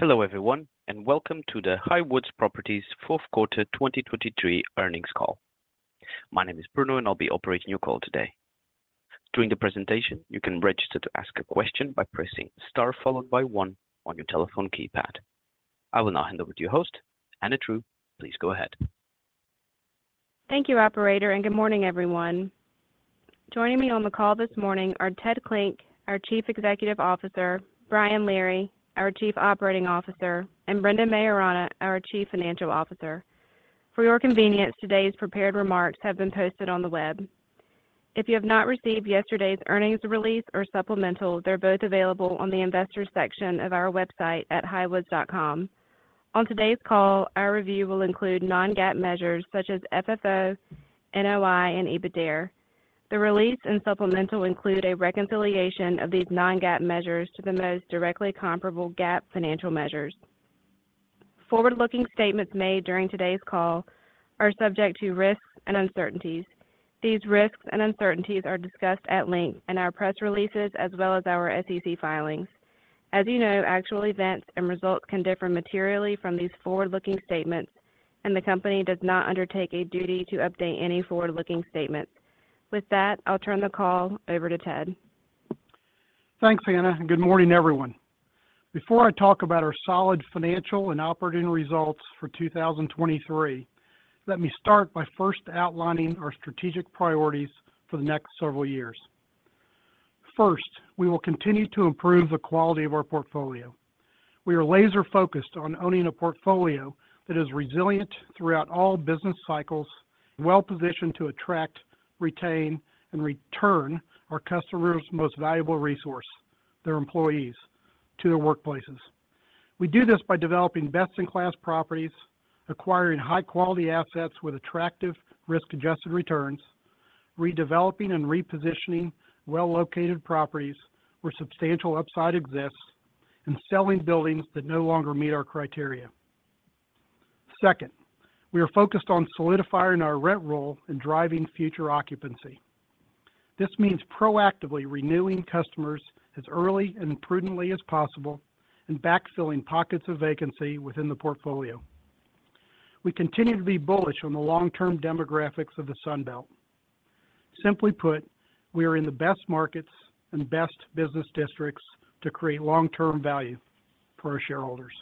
Hello everyone, and welcome to the Highwoods Properties Fourth Quarter 2023 Earnings Call. My name is Bruno, and I'll be operating your call today. During the presentation, you can register to ask a question by pressing Star followed by One on your telephone keypad. I will now hand over to your host, Hannah True. Please go ahead. Thank you, operator, and good morning, everyone. Joining me on the call this morning are Ted Klinck, our Chief Executive Officer, Brian Leary, our Chief Operating Officer, and Brendan Maiorana, our Chief Financial Officer. For your convenience, today's prepared remarks have been posted on the web. If you have not received yesterday's earnings release or supplemental, they're both available on the Investors section of our website at highwoods.com. On today's call, our review will include non-GAAP measures such as FFO, NOI, and EBITDARE. The release and supplemental include a reconciliation of these non-GAAP measures to the most directly comparable GAAP financial measures. Forward-looking statements made during today's call are subject to risks and uncertainties. These risks and uncertainties are discussed at length in our press releases as well as our SEC filings. As you know, actual events and results can differ materially from these forward-looking statements, and the company does not undertake a duty to update any forward-looking statement. With that, I'll turn the call over to Ted. Thanks, Hannah, and good morning, everyone. Before I talk about our solid financial and operating results for 2023, let me start by first outlining our strategic priorities for the next several years. First, we will continue to improve the quality of our portfolio. We are laser-focused on owning a portfolio that is resilient throughout all business cycles, well-positioned to attract, retain, and return our customers' most valuable resource, their employees, to their workplaces. We do this by developing best-in-class properties, acquiring high-quality assets with attractive risk-adjusted returns, redeveloping and repositioning well-located properties where substantial upside exists, and selling buildings that no longer meet our criteria. Second, we are focused on solidifying our rent roll and driving future occupancy. This means proactively renewing customers as early and prudently as possible and backfilling pockets of vacancy within the portfolio. We continue to be bullish on the long-term demographics of the Sun Belt. Simply put, we are in the best markets and best business districts to create long-term value for our shareholders.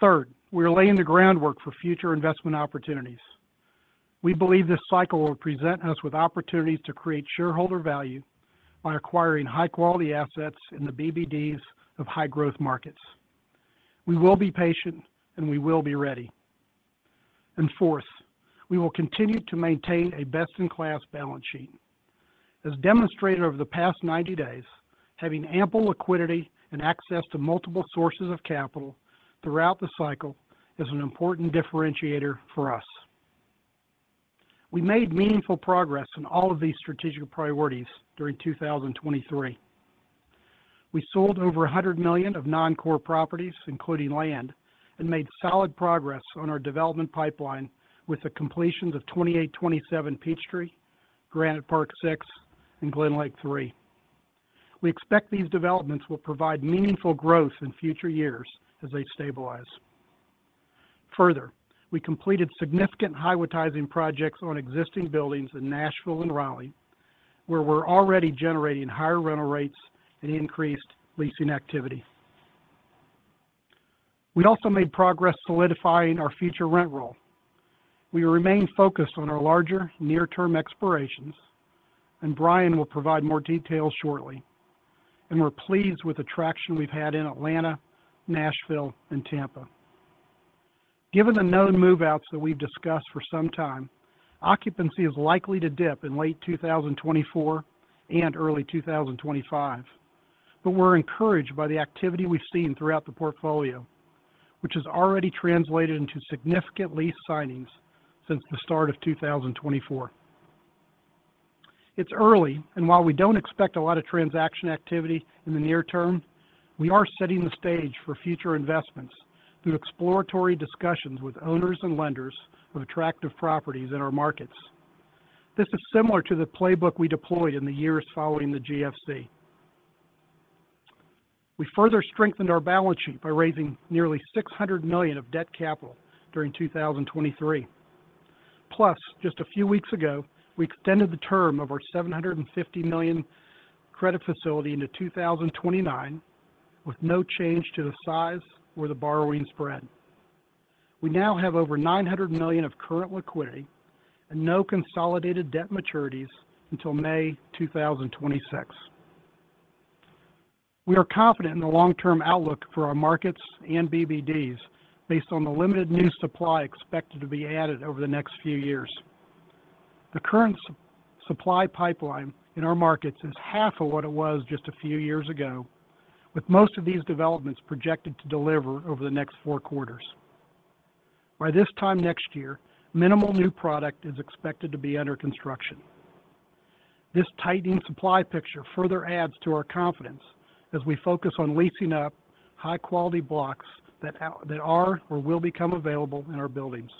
Third, we are laying the groundwork for future investment opportunities. We believe this cycle will present us with opportunities to create shareholder value by acquiring high-quality assets in the BBDs of high-growth markets. We will be patient, and we will be ready. And fourth, we will continue to maintain a best-in-class balance sheet. As demonstrated over the past 90 days, having ample liquidity and access to multiple sources of capital throughout the cycle is an important differentiator for us. We made meaningful progress on all of these strategic priorities during 2023. We sold over $100 million of non-core properties, including land, and made solid progress on our development pipeline with the completions of 2827 Peachtree, Granite Park Six, and Glenlake Three. We expect these developments will provide meaningful growth in future years as they stabilize. Further, we completed significant Highwoodtizing projects on existing buildings in Nashville and Raleigh, where we're already generating higher rental rates and increased leasing activity. We also made progress solidifying our future rent roll. We remain focused on our larger, near-term expirations, and Brian will provide more details shortly. We're pleased with the traction we've had in Atlanta, Nashville, and Tampa. Given the known move-outs that we've discussed for some time, occupancy is likely to dip in late 2024 and early 2025, but we're encouraged by the activity we've seen throughout the portfolio, which has already translated into significant lease signings since the start of 2024. It's early, and while we don't expect a lot of transaction activity in the near term, we are setting the stage for future investments through exploratory discussions with owners and lenders of attractive properties in our markets. This is similar to the playbook we deployed in the years following the GFC. We further strengthened our balance sheet by raising nearly $600 million of debt capital during 2023. Plus, just a few weeks ago, we extended the term of our $750 million credit facility into 2029, with no change to the size or the borrowing spread. We now have over $900 million of current liquidity and no consolidated debt maturities until May 2026. We are confident in the long-term outlook for our markets and BBDs based on the limited new supply expected to be added over the next few years. The current supply pipeline in our markets is half of what it was just a few years ago, with most of these developments projected to deliver over the next four quarters. By this time next year, minimal new product is expected to be under construction. This tightening supply picture further adds to our confidence as we focus on leasing up high-quality blocks that are or will become available in our buildings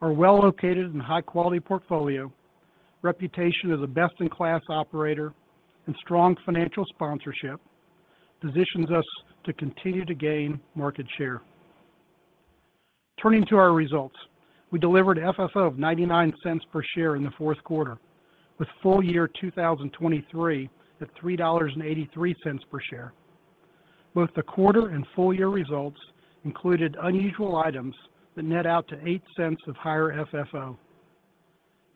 that are well located in high-quality portfolio, reputation as a best-in-class operator, and strong financial sponsorship, positions us to continue to gain market share. Turning to our results, we delivered FFO of $0.99 per share in the fourth quarter, with full year 2023 at $3.83 per share. Both the quarter and full year results included unusual items that net out to $0.08 of higher FFO.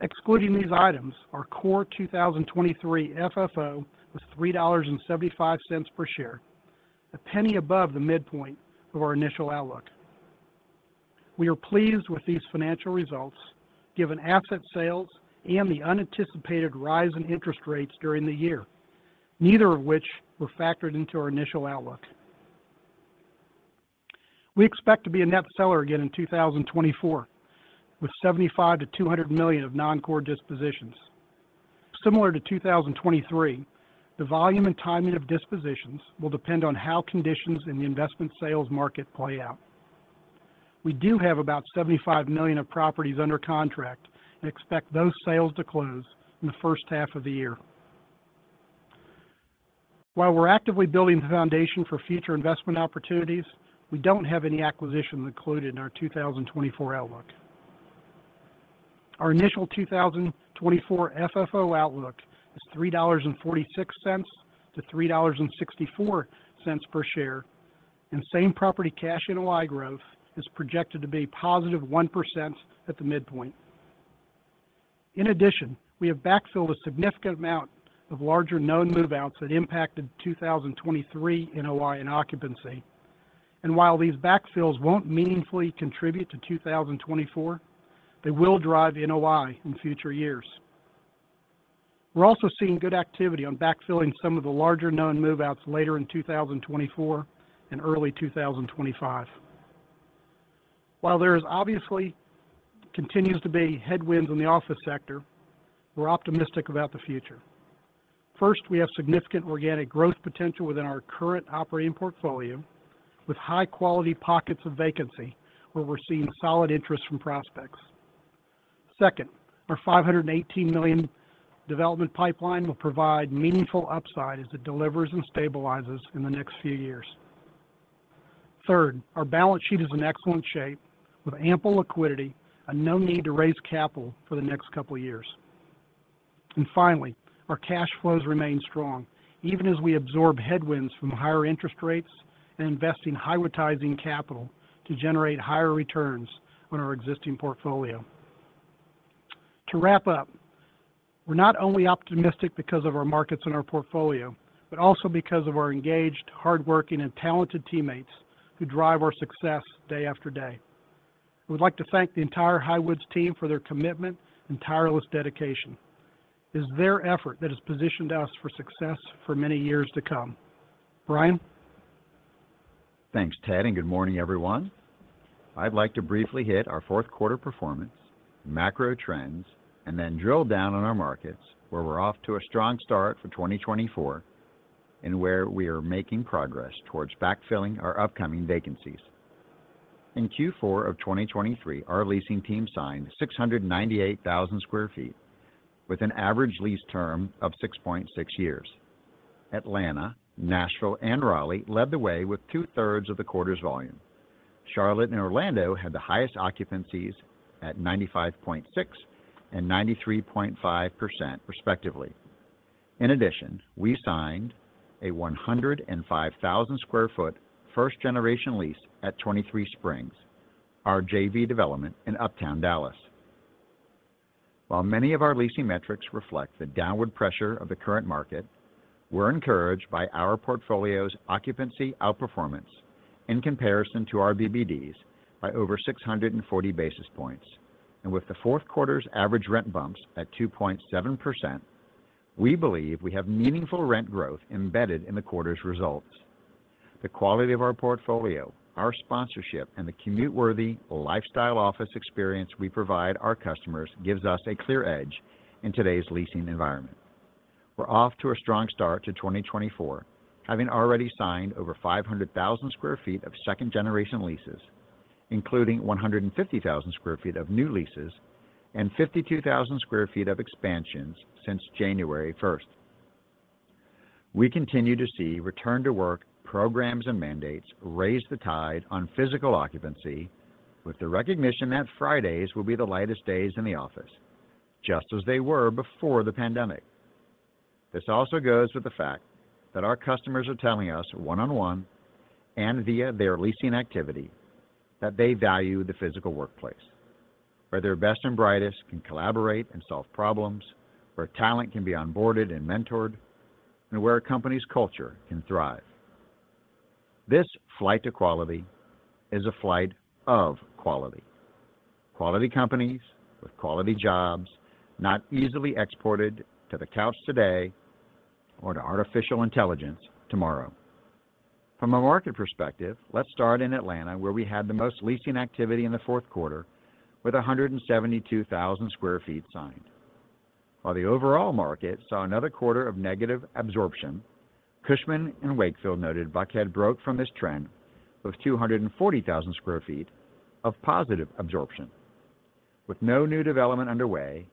Excluding these items, our core 2023 FFO was $3.75 per share, a penny above the midpoint of our initial outlook. We are pleased with these financial results, given asset sales and the unanticipated rise in interest rates during the year, neither of which were factored into our initial outlook. We expect to be a net seller again in 2024, with $75 million-$200 million of non-core dispositions. Similar to 2023, the volume and timing of dispositions will depend on how conditions in the investment sales market play out. We do have about $75 million of properties under contract, and expect those sales to close in the first half of the year. While we're actively building the foundation for future investment opportunities, we don't have any acquisitions included in our 2024 outlook. Our initial 2024 FFO outlook is $3.46-$3.64 per share, and same-property cash NOI growth is projected to be +1% at the midpoint. In addition, we have backfilled a significant amount of larger known move-outs that impacted 2023 NOI and occupancy. While these backfills won't meaningfully contribute to 2024, they will drive the NOI in future years. We're also seeing good activity on backfilling some of the larger known move-outs later in 2024 and early 2025. While there is obviously continues to be headwinds in the office sector, we're optimistic about the future. First, we have significant organic growth potential within our current operating portfolio, with high-quality pockets of vacancy, where we're seeing solid interest from prospects. Second, our $518 million development pipeline will provide meaningful upside as it delivers and stabilizes in the next few years. Third, our balance sheet is in excellent shape, with ample liquidity and no need to raise capital for the next couple of years. And finally, our cash flows remain strong, even as we absorb headwinds from higher interest rates and investing Highwoodtizing capital to generate higher returns on our existing portfolio. To wrap up, we're not only optimistic because of our markets and our portfolio, but also because of our engaged, hardworking, and talented teammates who drive our success day after day. We'd like to thank the entire Highwoods team for their commitment and tireless dedication. It's their effort that has positioned us for success for many years to come. Brian? Thanks, Ted, and good morning, everyone. I'd like to briefly hit our fourth quarter performance, macro trends, and then drill down on our markets, where we're off to a strong start for 2024, and where we are making progress towards backfilling our upcoming vacancies. In Q4 of 2023, our leasing team signed 698,000 sq ft, with an average lease term of 6.6 years. Atlanta, Nashville, and Raleigh led the way with two-thirds of the quarter's volume. Charlotte and Orlando had the highest occupancies at 95.6% and 93.5%, respectively. In addition, we signed a 105,000 sq ft first-generation lease at 23Springs, our JV development in Uptown Dallas. While many of our leasing metrics reflect the downward pressure of the current market, we're encouraged by our portfolio's occupancy outperformance in comparison to our BBDs by over 640 basis points. With the fourth quarter's average rent bumps at 2.7%, we believe we have meaningful rent growth embedded in the quarter's results. The quality of our portfolio, our sponsorship, and the commute-worthy lifestyle office experience we provide our customers, gives us a clear edge in today's leasing environment. We're off to a strong start to 2024, having already signed over 500,000 sq ft of second-generation leases, including 150,000 sq ft of new leases and 52,000 sq ft of expansions since January 1. We continue to see return-to-work programs and mandates raise the tide on physical occupancy, with the recognition that Fridays will be the lightest days in the office, just as they were before the pandemic. This also goes with the fact that our customers are telling us one-on-one and via their leasing activity, that they value the physical workplace, where their best and brightest can collaborate and solve problems, where talent can be onboarded and mentored, and where a company's culture can thrive. This flight to quality is a flight of quality. Quality companies with quality jobs, not easily exported to the couch today or to artificial intelligence tomorrow. From a market perspective, let's start in Atlanta, where we had the most leasing activity in the fourth quarter with 172,000 sq ft signed. While the overall market saw another quarter of negative absorption, Cushman & Wakefield noted Buckhead broke from this trend with 240,000 sq ft of positive absorption. With no new development underway,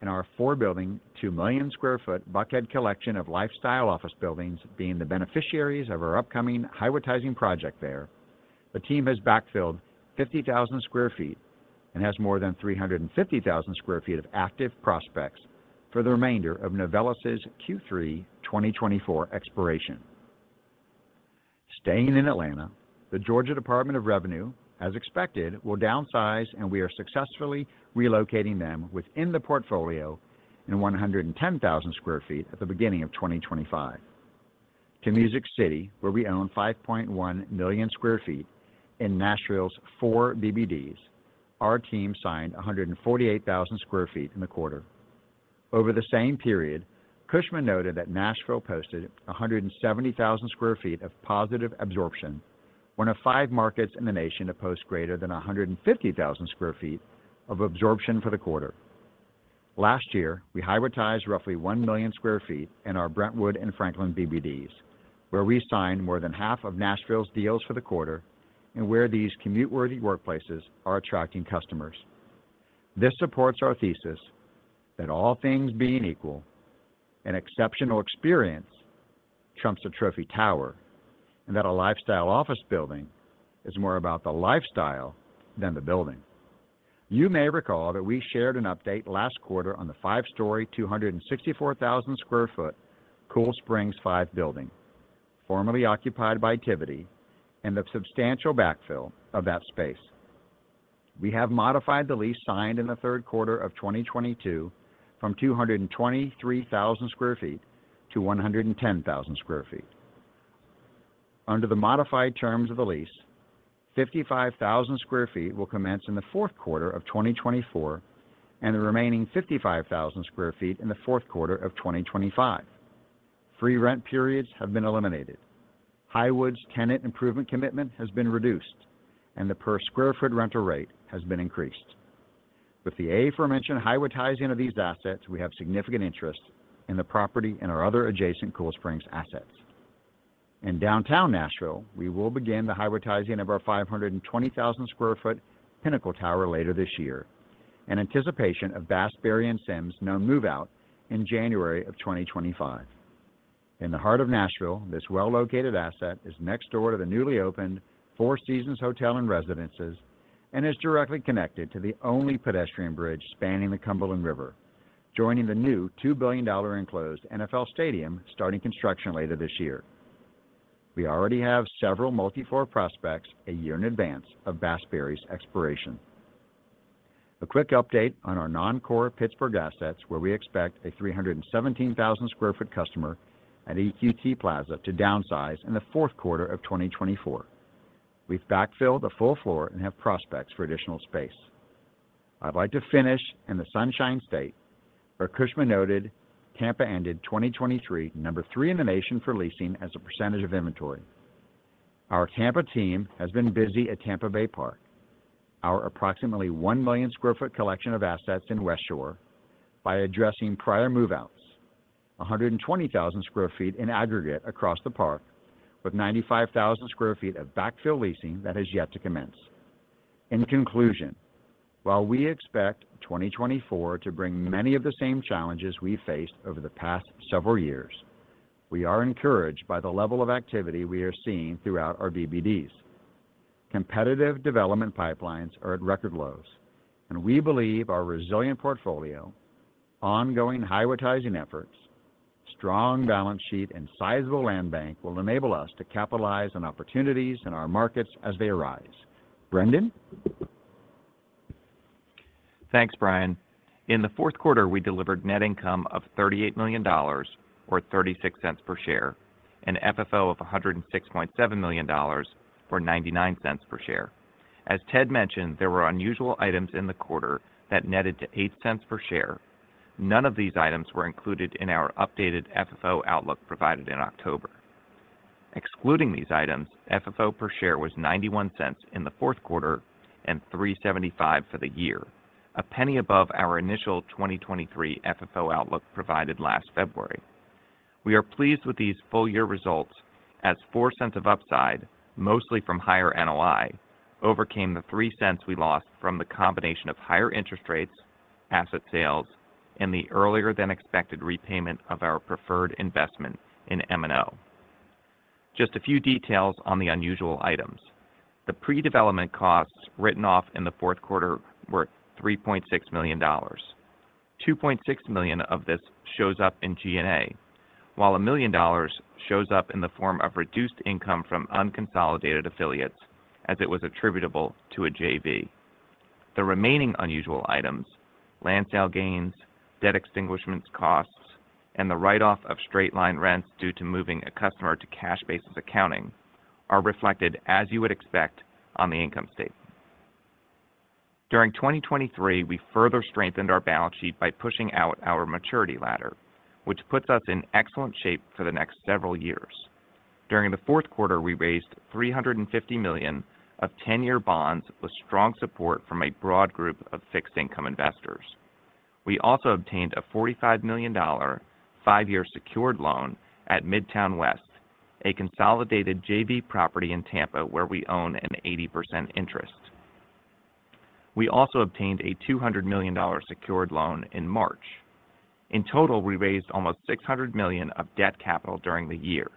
and our four-building, 2 million sq ft Buckhead collection of lifestyle office buildings being the beneficiaries of our upcoming Highwoodtizing project there, the team has backfilled 50,000 sq ft and has more than 350,000 sq ft of active prospects for the remainder of Novelis' Q3 2024 expiration. Staying in Atlanta, the Georgia Department of Revenue, as expected, will downsize, and we are successfully relocating them within the portfolio in 110,000 sq ft at the beginning of 2025. To Music City, where we own 5.1 million sq ft in Nashville's four BBDs, our team signed 148,000 sq ft in the quarter. Over the same period, Cushman noted that Nashville posted 170,000 sq ft of positive absorption, one of five markets in the nation to post greater than 150,000 sq ft of absorption for the quarter. Last year, we Highwoodtized roughly 1 million sq ft in our Brentwood and Franklin BBDs, where we signed more than half of Nashville's deals for the quarter and where these commute-worthy workplaces are attracting customers. This supports our thesis that all things being equal, an exceptional experience trumps a trophy tower, and that a lifestyle office building is more about the lifestyle than the building. You may recall that we shared an update last quarter on the five-story, 264,000 sq ft Cool Springs V building, formerly occupied by Tivity, and the substantial backfill of that space. We have modified the lease signed in the third quarter of 2022 from 223,000 sq ft to 110,000 sq ft. Under the modified terms of the lease, 55,000 sq ft will commence in the fourth quarter of 2024, and the remaining 55,000 sq ft in the fourth quarter of 2025. Free rent periods have been eliminated. Highwoods' tenant improvement commitment has been reduced, and the per sq ft rental rate has been increased. With the aforementioned Highwoodtizing of these assets, we have significant interest in the property and our other adjacent Cool Springs assets. In downtown Nashville, we will begin the Highwoodtizing of our 520,000 sq ft Pinnacle Tower later this year, in anticipation of Bass, Berry & Sims' known move-out in January 2025. In the heart of Nashville, this well-located asset is next door to the newly opened Four Seasons Hotel and Residences, and is directly connected to the only pedestrian bridge spanning the Cumberland River, joining the new $2 billion enclosed NFL stadium, starting construction later this year. We already have several multi-floor prospects a year in advance of Bass, Berry & Sims's expiration. A quick update on our non-core Pittsburgh assets, where we expect a 317,000 sq ft customer at EQT Plaza to downsize in the fourth quarter of 2024. We've backfilled a full floor and have prospects for additional space. I'd like to finish in the Sunshine State, where Cushman noted Tampa ended 2023, number 3 in the nation for leasing as a percentage of inventory. Our Tampa team has been busy at Tampa Bay Park. Our approximately 1 million sq ft collection of assets in Westshore, by addressing prior move-outs, 120,000 sq ft in aggregate across the park, with 95,000 sq ft of backfill leasing that is yet to commence. In conclusion, while we expect 2024 to bring many of the same challenges we faced over the past several years, we are encouraged by the level of activity we are seeing throughout our BBDs. Competitive development pipelines are at record lows, and we believe our resilient portfolio, ongoing Highwoodtizing efforts, strong balance sheet, and sizable land bank will enable us to capitalize on opportunities in our markets as they arise. Brendan? Thanks, Brian. In the fourth quarter, we delivered net income of $38 million, or $0.36 per share, and FFO of $106.7 million, or $0.99 per share. As Ted mentioned, there were unusual items in the quarter that netted to $0.08 per share. None of these items were included in our updated FFO outlook provided in October. Excluding these items, FFO per share was $0.91 in the fourth quarter and $3.75 for the year, $0.01 above our initial 2023 FFO outlook provided last February. We are pleased with these full year results as $0.04 of upside, mostly from higher NOI, overcame the $0.03 we lost from the combination of higher interest rates, asset sales, and the earlier than expected repayment of our preferred investment in M&O. Just a few details on the unusual items. The pre-development costs written off in the fourth quarter were $3.6 million. $2.6 million of this shows up in G&A, while $1 million shows up in the form of reduced income from unconsolidated affiliates, as it was attributable to a JV. The remaining unusual items, land sale gains, debt extinguishment costs, and the write-off of straight-line rents due to moving a customer to cash basis accounting, are reflected, as you would expect, on the income statement. During 2023, we further strengthened our balance sheet by pushing out our maturity ladder, which puts us in excellent shape for the next several years. During the fourth quarter, we raised $350 million of ten-year bonds with strong support from a broad group of fixed income investors. We also obtained a $45 million, five-year secured loan at Midtown West, a consolidated JV property in Tampa, where we own an 80% interest. We also obtained a $200 million secured loan in March. In total, we raised almost $600 million of debt capital during the year.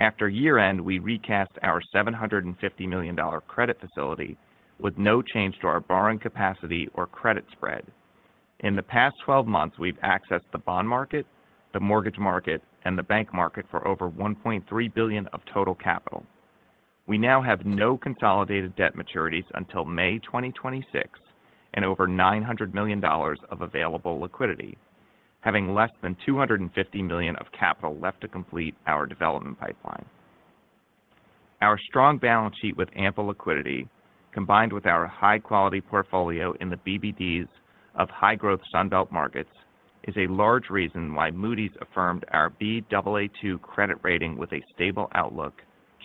After year-end, we recast our $750 million credit facility with no change to our borrowing capacity or credit spread. In the past 12 months, we've accessed the bond market, the mortgage market, and the bank market for over $1.3 billion of total capital. We now have no consolidated debt maturities until May 2026 and over $900 million of available liquidity, having less than $250 million of capital left to complete our development pipeline. Our strong balance sheet with ample liquidity, combined with our high-quality portfolio in the BBDs of high-growth Sun Belt markets, is a large reason why Moody's affirmed our Baa2 credit rating with a stable outlook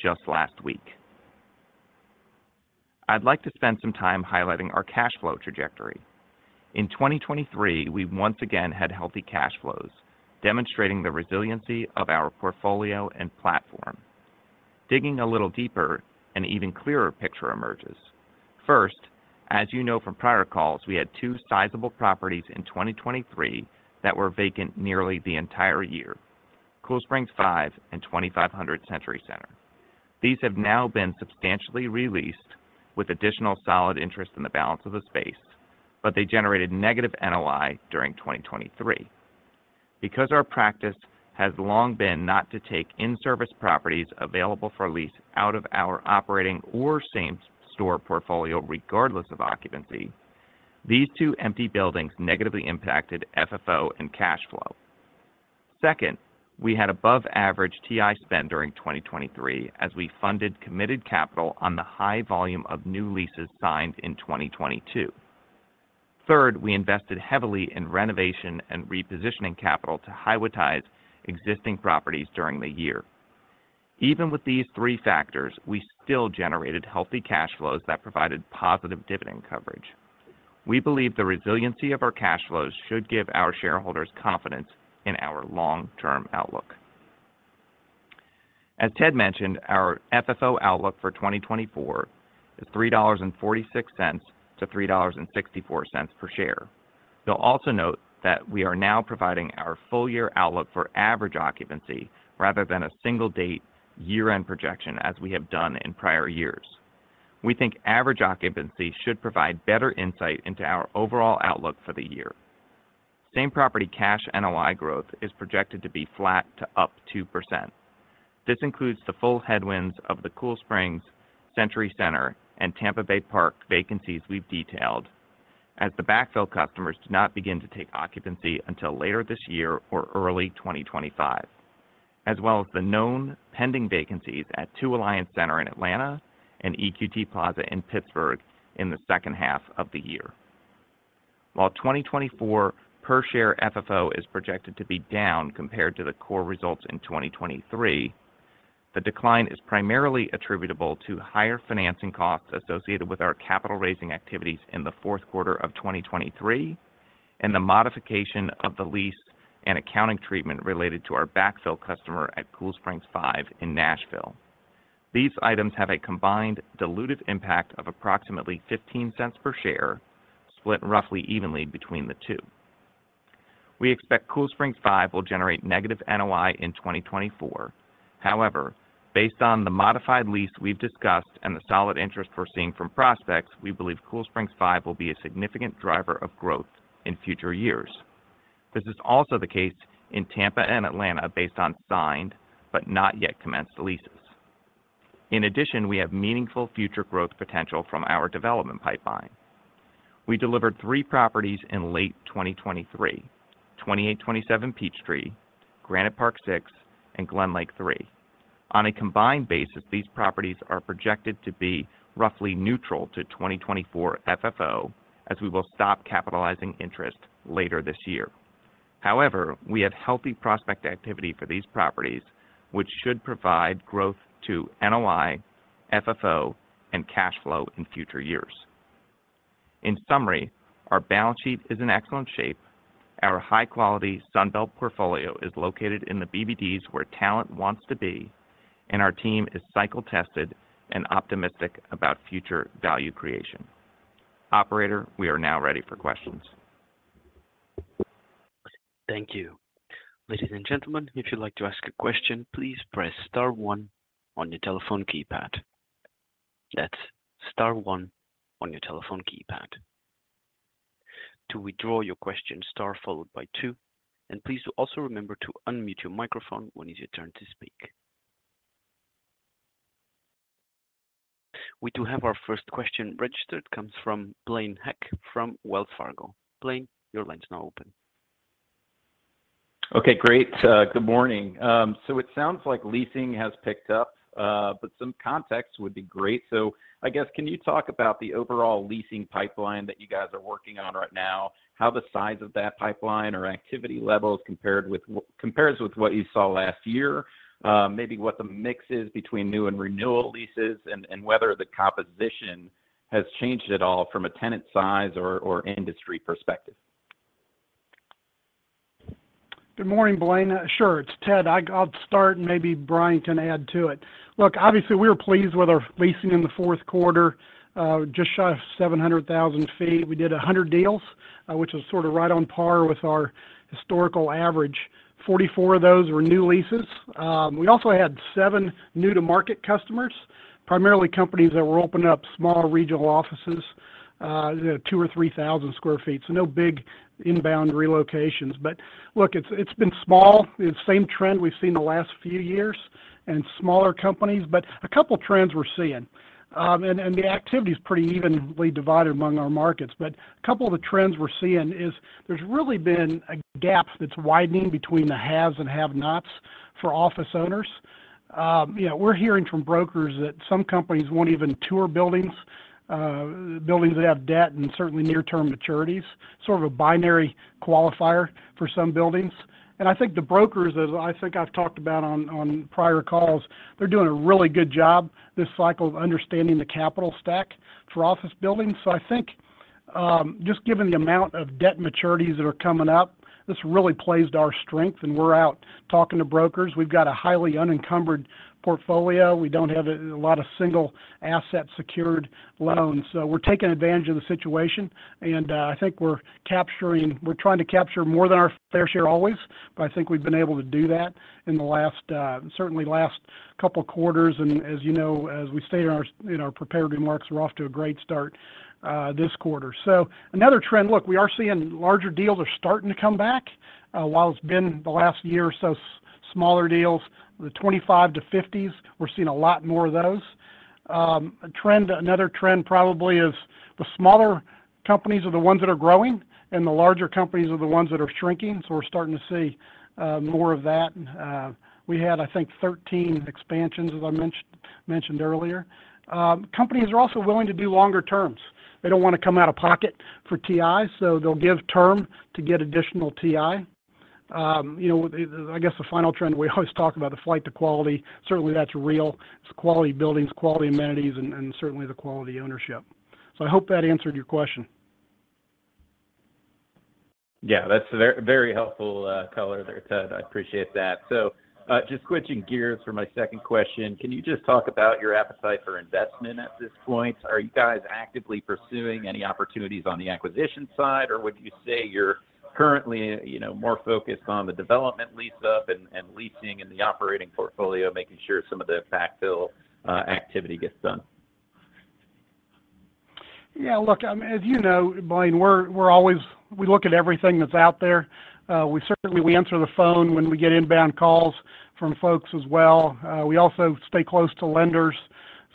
just last week. I'd like to spend some time highlighting our cash flow trajectory. In 2023, we once again had healthy cash flows, demonstrating the resiliency of our portfolio and platform. Digging a little deeper, an even clearer picture emerges. First, as you know from prior calls, we had two sizable properties in 2023 that were vacant nearly the entire year, Cool Springs V and 2500 Century Center. These have now been substantially re-leased with additional solid interest in the balance of the space, but they generated negative NOI during 2023. Because our practice has long been not to take in-service properties available for lease out of our operating or same-store portfolio, regardless of occupancy, these two empty buildings negatively impacted FFO and cash flow. Second, we had above-average TI spend during 2023 as we funded committed capital on the high volume of new leases signed in 2022. Third, we invested heavily in renovation and repositioning capital to Highwoodtize existing properties during the year. Even with these three factors, we still generated healthy cash flows that provided positive dividend coverage. We believe the resiliency of our cash flows should give our shareholders confidence in our long-term outlook. As Ted mentioned, our FFO outlook for 2024 is $3.46-$3.64 per share. You'll also note that we are now providing our full-year outlook for average occupancy rather than a single-date year-end projection, as we have done in prior years. We think average occupancy should provide better insight into our overall outlook for the year. Same-property cash NOI growth is projected to be flat to up 2%. This includes the full headwinds of the Cool Springs, Century Center, and Tampa Bay Park vacancies we've detailed, as the backfill customers do not begin to take occupancy until later this year or early 2025, as well as the known pending vacancies at Two Alliance Center in Atlanta and EQT Plaza in Pittsburgh in the second half of the year. While 2024 per share FFO is projected to be down compared to the core results in 2023, the decline is primarily attributable to higher financing costs associated with our capital raising activities in the fourth quarter of 2023 and the modification of the lease and accounting treatment related to our backfill customer at Cool Springs V in Nashville. These items have a combined diluted impact of approximately $0.15 per share, split roughly evenly between the two. We expect Cool Springs V will generate negative NOI in 2024. However, based on the modified lease we've discussed and the solid interest we're seeing from prospects, we believe Cool Springs V will be a significant driver of growth in future years. This is also the case in Tampa and Atlanta, based on signed but not yet commenced leases. In addition, we have meaningful future growth potential from our development pipeline. We delivered three properties in late 2023: 2827 Peachtree, Granite Park Six, and Glenlake Three. On a combined basis, these properties are projected to be roughly neutral to 2024 FFO, as we will stop capitalizing interest later this year. However, we have healthy prospect activity for these properties, which should provide growth to NOI, FFO, and cash flow in future years. In summary, our balance sheet is in excellent shape. Our high-quality Sun Belt portfolio is located in the BBDs, where talent wants to be, and our team is cycle-tested and optimistic about future value creation. Operator, we are now ready for questions. Thank you. Ladies and gentlemen, if you'd like to ask a question, please press star one on your telephone keypad. That's star one on your telephone keypad. To withdraw your question, star followed by two, and please do also remember to unmute your microphone when it's your turn to speak. We do have our first question registered. It comes from Blaine Heck from Wells Fargo. Blaine, your line is now open. Okay, great. Good morning. So it sounds like leasing has picked up, but some context would be great. So I guess, can you talk about the overall leasing pipeline that you guys are working on right now, how the size of that pipeline or activity levels compares with what you saw last year, maybe what the mix is between new and renewal leases, and whether the composition has changed at all from a tenant size or industry perspective? Good morning, Blaine. Sure, it's Ted. I'll start, and maybe Brian can add to it. Look, obviously, we are pleased with our leasing in the fourth quarter, just shy of 700,000 sq ft. We did 100 deals, which is sort of right on par with our historical average. 44 of those were new leases. We also had seven new-to-market customers, primarily companies that were opening up small regional offices, 2,000 or 3,000 sq ft. So no big inbound relocations. But look, it's been small, the same trend we've seen the last few years, and smaller companies, but a couple of trends we're seeing. And the activity is pretty evenly divided among our markets. But a couple of the trends we're seeing is there's really been a gap that's widening between the haves and have-nots for office owners. You know, we're hearing from brokers that some companies won't even tour buildings, buildings that have debt and certainly near-term maturities, sort of a binary qualifier for some buildings. And I think the brokers, as I think I've talked about on prior calls, they're doing a really good job this cycle of understanding the capital stack for office buildings. So I think, just given the amount of debt maturities that are coming up, this really plays to our strength, and we're out talking to brokers. We've got a highly unencumbered portfolio. We don't have a lot of single-asset secured loans, so we're taking advantage of the situation, and I think we're capturing, we're trying to capture more than our fair share always, but I think we've been able to do that in the last, certainly last couple of quarters. As you know, as we stated in our prepared remarks, we're off to a great start this quarter. Another trend, look, we are seeing larger deals are starting to come back, while it's been the last year or so, smaller deals, the 25 to 50s, we're seeing a lot more of those. Another trend probably is the smaller companies are the ones that are growing and the larger companies are the ones that are shrinking, so we're starting to see more of that. We had, I think, 13 expansions, as I mentioned earlier. Companies are also willing to do longer terms. They don't want to come out of pocket for TI, so they'll give term to get additional TI. You know, the, the... I guess the final trend, we always talk about the flight to quality. Certainly, that's real. It's quality buildings, quality amenities, and, and certainly the quality ownership. So I hope that answered your question. Yeah, that's a very, very helpful color there, Ted. I appreciate that. So, just switching gears for my second question, can you just talk about your appetite for investment at this point? Are you guys actively pursuing any opportunities on the acquisition side, or would you say you're currently, you know, more focused on the development lease-up and leasing in the operating portfolio, making sure some of the backfill activity gets done? Yeah, look, as you know, Blaine, we're always. We look at everything that's out there. We certainly answer the phone when we get inbound calls from folks as well. We also stay close to lenders.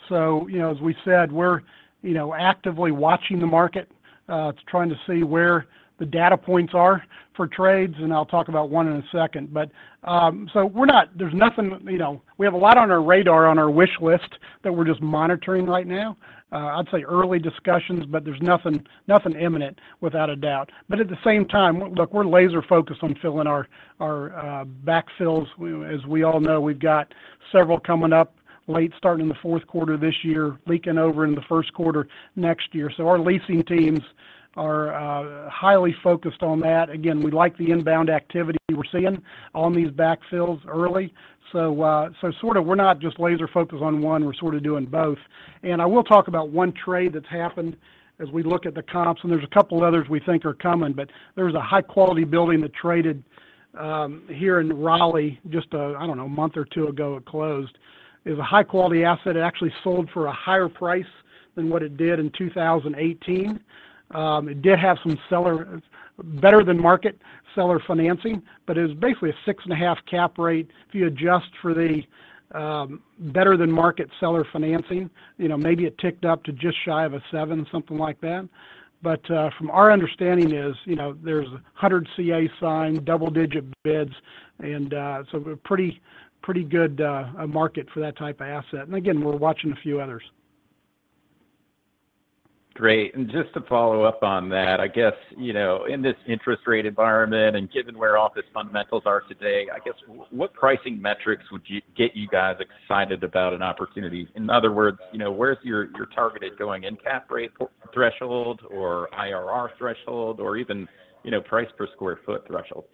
So, you know, as we said, we're, you know, actively watching the market, trying to see where the data points are for trades, and I'll talk about one in a second. But so we're not. There's nothing, you know. We have a lot on our radar, on our wish list that we're just monitoring right now. I'd say early discussions, but there's nothing, nothing imminent without a doubt. But at the same time, look, we're laser-focused on filling our backfills. We, as we all know, we've got several coming up late, starting in the fourth quarter of this year, leaking over in the first quarter next year. So our leasing teams are highly focused on that. Again, we like the inbound activity we're seeing on these backfills early. So, so sort of we're not just laser-focused on one, we're sort of doing both. And I will talk about one trade that's happened as we look at the comps, and there's a couple of others we think are coming, but there's a high-quality building that traded here in Raleigh, just, I don't know, a month or two ago, it closed. It was a high-quality asset. It actually sold for a higher price than what it did in 2018. It did have some seller better-than-market seller financing, but it was basically a 6.5 cap rate. If you adjust for the better-than-market seller financing, you know, maybe it ticked up to just shy of a seven, something like that. But from our understanding is, you know, there's 100 CAs signed, double-digit bids, and so a pretty, pretty good market for that type of asset. And again, we're watching a few others. Great. And just to follow up on that, I guess, you know, in this interest rate environment and given where office fundamentals are today, I guess what pricing metrics would you get you guys excited about an opportunity? In other words, you know, where's your, your target at going in? Cap rate threshold or IRR threshold or even, you know, price per square foot threshold.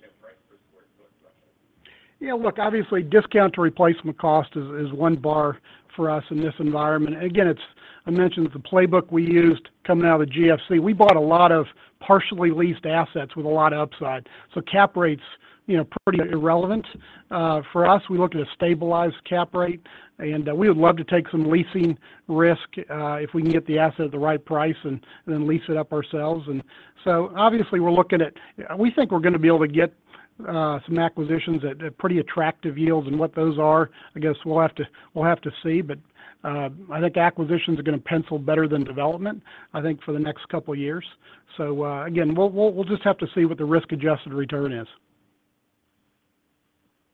Yeah, look, obviously, discount to replacement cost is, is one bar for us in this environment. Again, it's... I mentioned it's a playbook we used coming out of the GFC. We bought a lot of partially leased assets with a lot of upside. So cap rate's, you know, pretty irrelevant. For us, we look at a stabilized cap rate, and we would love to take some leasing risk, if we can get the asset at the right price and then lease it up ourselves. And so obviously, we're looking at-- We think we're going to be able to get some acquisitions at pretty attractive yields, and what those are, I guess we'll have to, we'll have to see. But I think acquisitions are going to pencil better than development, I think, for the next couple of years. Again, we'll just have to see what the risk-adjusted return is.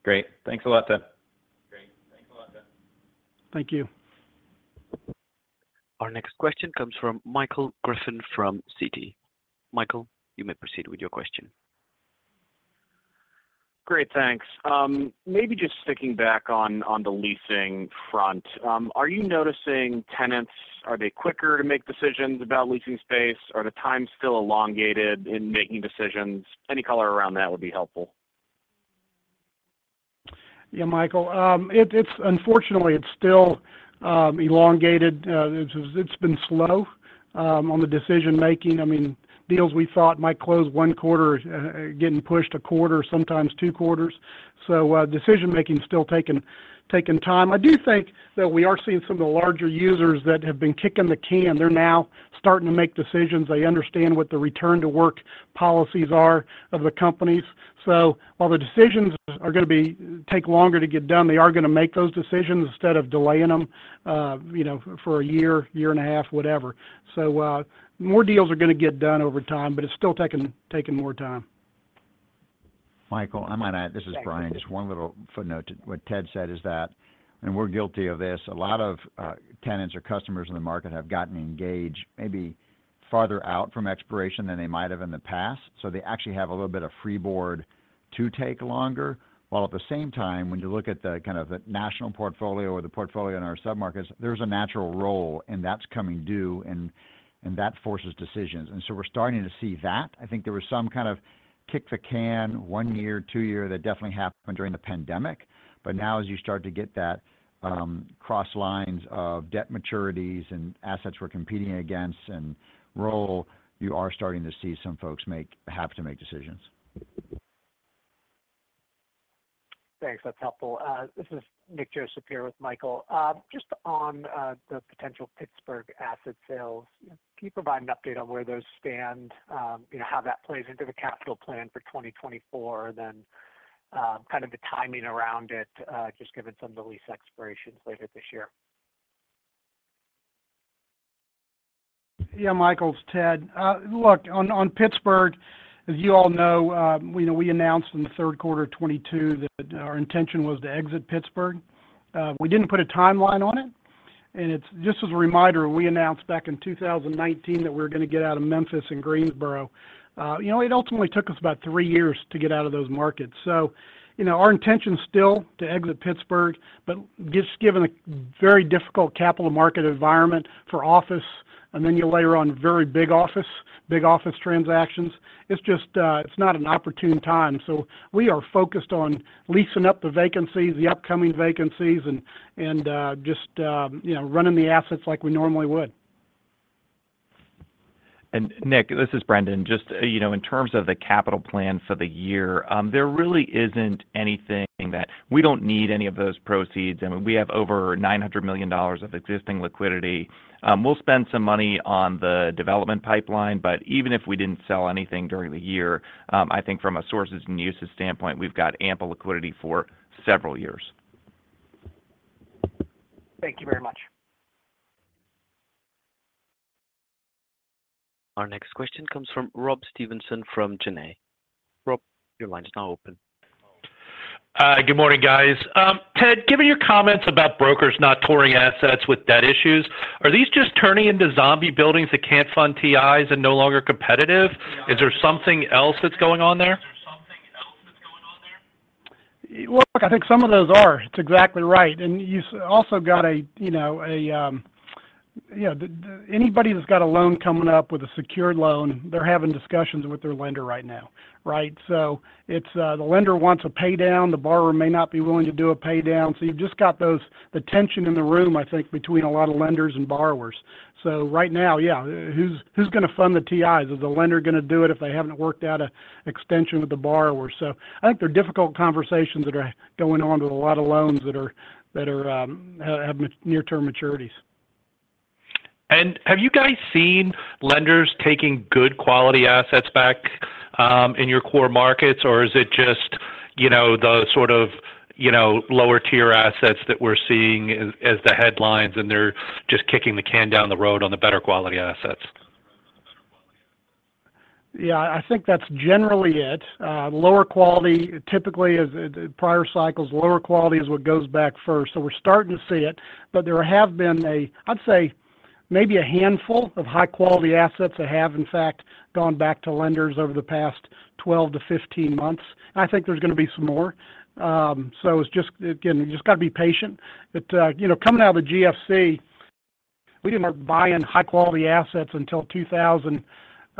Great. Thanks a lot, Ted. Great, thanks a lot, Ted. Thank you. Our next question comes from Michael Griffin from Citi. Michael, you may proceed with your question. Great, thanks. Maybe just sticking back on, on the leasing front, are you noticing tenants, are they quicker to make decisions about leasing space? Are the times still elongated in making decisions? Any color around that would be helpful. Yeah, Michael, it's unfortunately, it's still elongated. It's been slow on the decision making. I mean, deals we thought might close one quarter are getting pushed a quarter, sometimes two quarters. So decision making is still taking time. I do think that we are seeing some of the larger users that have been kicking the can, they're now starting to make decisions. They understand what the return-to-work policies are of the companies. So while the decisions are going to take longer to get done, they are going to make those decisions instead of delaying them, you know, for a year, year and a half, whatever. So, more deals are going to get done over time, but it's still taking more time. Michael, I might add. This is Brian. Just one little footnote to what Ted said is that, and we're guilty of this, a lot of tenants or customers in the market have gotten engaged, maybe farther out from expiration than they might have in the past. So they actually have a little bit of freeboard to take longer, while at the same time, when you look at the kind of the national portfolio or the portfolio in our submarkets, there's a natural roll, and that's coming due, and that forces decisions. And so we're starting to see that. I think there was some kind of kick the can, one year, two year, that definitely happened during the pandemic. But now, as you start to get that cross lines of debt maturities and assets we're competing against and roll, you are starting to see some folks have to make decisions. Thanks. That's helpful. This is Nick Joseph with Michael. Just on the potential Pittsburgh asset sales, can you provide an update on where those stand? You know, how that plays into the capital plan for 2024, then kind of the timing around it, just given some of the lease expirations later this year? Yeah, Michael, it's Ted. Look, on Pittsburgh, as you all know, we announced in the third quarter of 2022 that our intention was to exit Pittsburgh. We didn't put a timeline on it, and it's just as a reminder, we announced back in 2019 that we were going to get out of Memphis and Greensboro. You know, it ultimately took us about three years to get out of those markets. So, you know, our intention still to exit Pittsburgh, but just given the very difficult capital market environment for office, and then you layer on very big office, big office transactions, it's just, it's not an opportune time. So we are focused on leasing up the vacancies, the upcoming vacancies, and, just, you know, running the assets like we normally would. And Nick, this is Brendan. Just, you know, in terms of the capital plan for the year, there really isn't anything that... We don't need any of those proceeds. I mean, we have over $900 million of existing liquidity. We'll spend some money on the development pipeline, but even if we didn't sell anything during the year, I think from a sources and uses standpoint, we've got ample liquidity for several years. Thank you very much. Our next question comes from Rob Stevenson, from Janney. Rob, your line is now open. Good morning, guys. Ted, given your comments about brokers not touring assets with debt issues, are these just turning into zombie buildings that can't fund TIs and no longer competitive? Is there something else that's going on there? Look, I think some of those are. It's exactly right. And you also got a, you know, a, yeah, anybody that's got a loan coming up with a secured loan, they're having discussions with their lender right now. Right? So it's, the lender wants a pay down, the borrower may not be willing to do a pay down. So you've just got those, the tension in the room, I think, between a lot of lenders and borrowers. So right now, yeah, who's going to fund the TIs? Is the lender going to do it if they haven't worked out an extension with the borrower? So I think there are difficult conversations that are going on with a lot of loans that have near term maturities. Have you guys seen lenders taking good quality assets back in your core markets? Or is it just, you know, those sort of, you know, lower-tier assets that we're seeing as the headlines, and they're just kicking the can down the road on the better quality assets? Yeah, I think that's generally it. Lower quality, typically, is the prior cycles; lower quality is what goes back first. So we're starting to see it, but there have been, I'd say, maybe a handful of high-quality assets that have, in fact, gone back to lenders over the past 12-15 months. I think there's going to be some more. So it's just, again, you just got to be patient. But, you know, coming out of the GFC, we didn't start buying high-quality assets until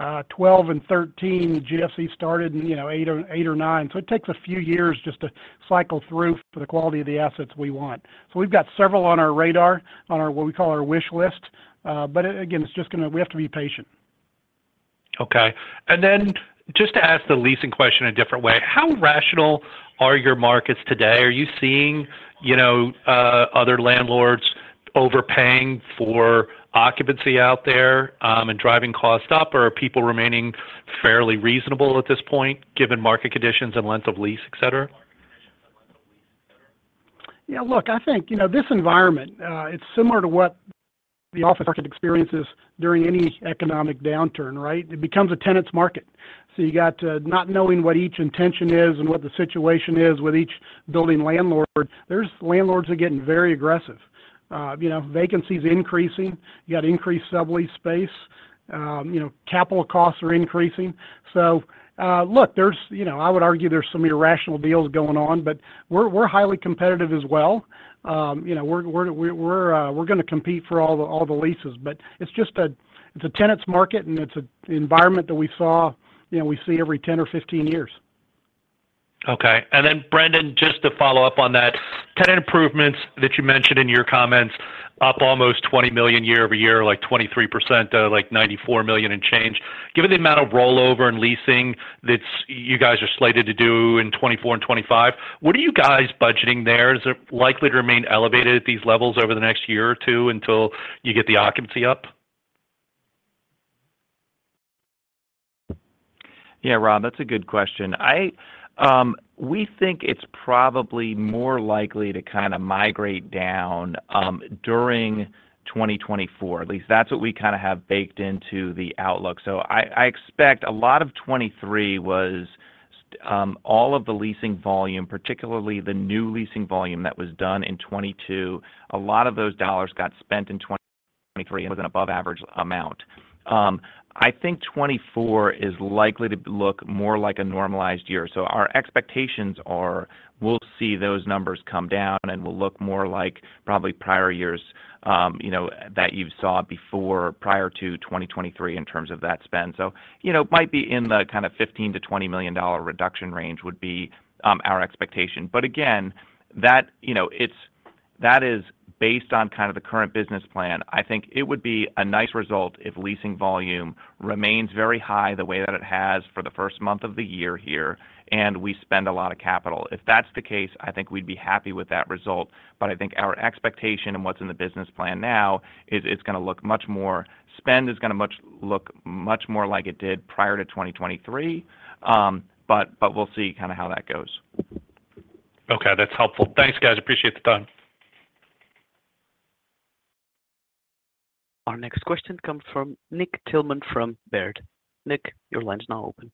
2012 and 2013. GFC started in, you know, 2008 or 2009. So it takes a few years just to cycle through for the quality of the assets we want. So we've got several on our radar, on our, what we call our wish list. But again, it's just gonna. We have to be patient. Okay. And then just to ask the leasing question a different way, how rational are your markets today? Are you seeing, you know, other landlords overpaying for occupancy out there, and driving costs up? Or are people remaining fairly reasonable at this point, given market conditions and length of lease, et cetera? Yeah, look, I think, you know, this environment, it's similar to what the office market experiences during any economic downturn, right? It becomes a tenant's market. So you got, not knowing what each intention is and what the situation is with each building landlord. There's landlords are getting very aggressive. You know, vacancy is increasing, you got increased sublease space, you know, capital costs are increasing. So, look, there's, you know, I would argue there's some irrational deals going on, but we're highly competitive as well. You know, we're gonna compete for all the, all the leases, but it's just a—it's a tenant's market, and it's a environment that we saw, you know, we see every 10 or 15 years. Okay. And then, Brendan, just to follow up on that, tenant improvements that you mentioned in your comments, up almost $20 million year-over-year, like 23%, like $94 million and change. Given the amount of rollover and leasing that's you guys are slated to do in 2024 and 2025, what are you guys budgeting there? Is it likely to remain elevated at these levels over the next year or two until you get the occupancy up? Yeah, Rob, that's a good question. I, we think it's probably more likely to kinda migrate down, during 2024. At least that's what we kinda have baked into the outlook. So I, I expect a lot of 2023 was, all of the leasing volume, particularly the new leasing volume that was done in 2022. A lot of those dollars got spent in 2023, it was an above average amount. I think 2024 is likely to look more like a normalized year. So our expectations are we'll see those numbers come down and will look more like probably prior years, you know, that you saw before, prior to 2023 in terms of that spend. So, you know, might be in the kind of $15-$20 million reduction range would be, our expectation. But again, that, you know, it's—that is based on kind of the current business plan. I think it would be a nice result if leasing volume remains very high the way that it has for the first month of the year here, and we spend a lot of capital. If that's the case, I think we'd be happy with that result. But I think our expectation and what's in the business plan now is it's gonna look much more—spend is gonna much—look much more like it did prior to 2023, but, but we'll see kinda how that goes. Okay, that's helpful. Thanks, guys. Appreciate the time. Our next question comes from Nick Thillman from Baird. Nick, your line is now open.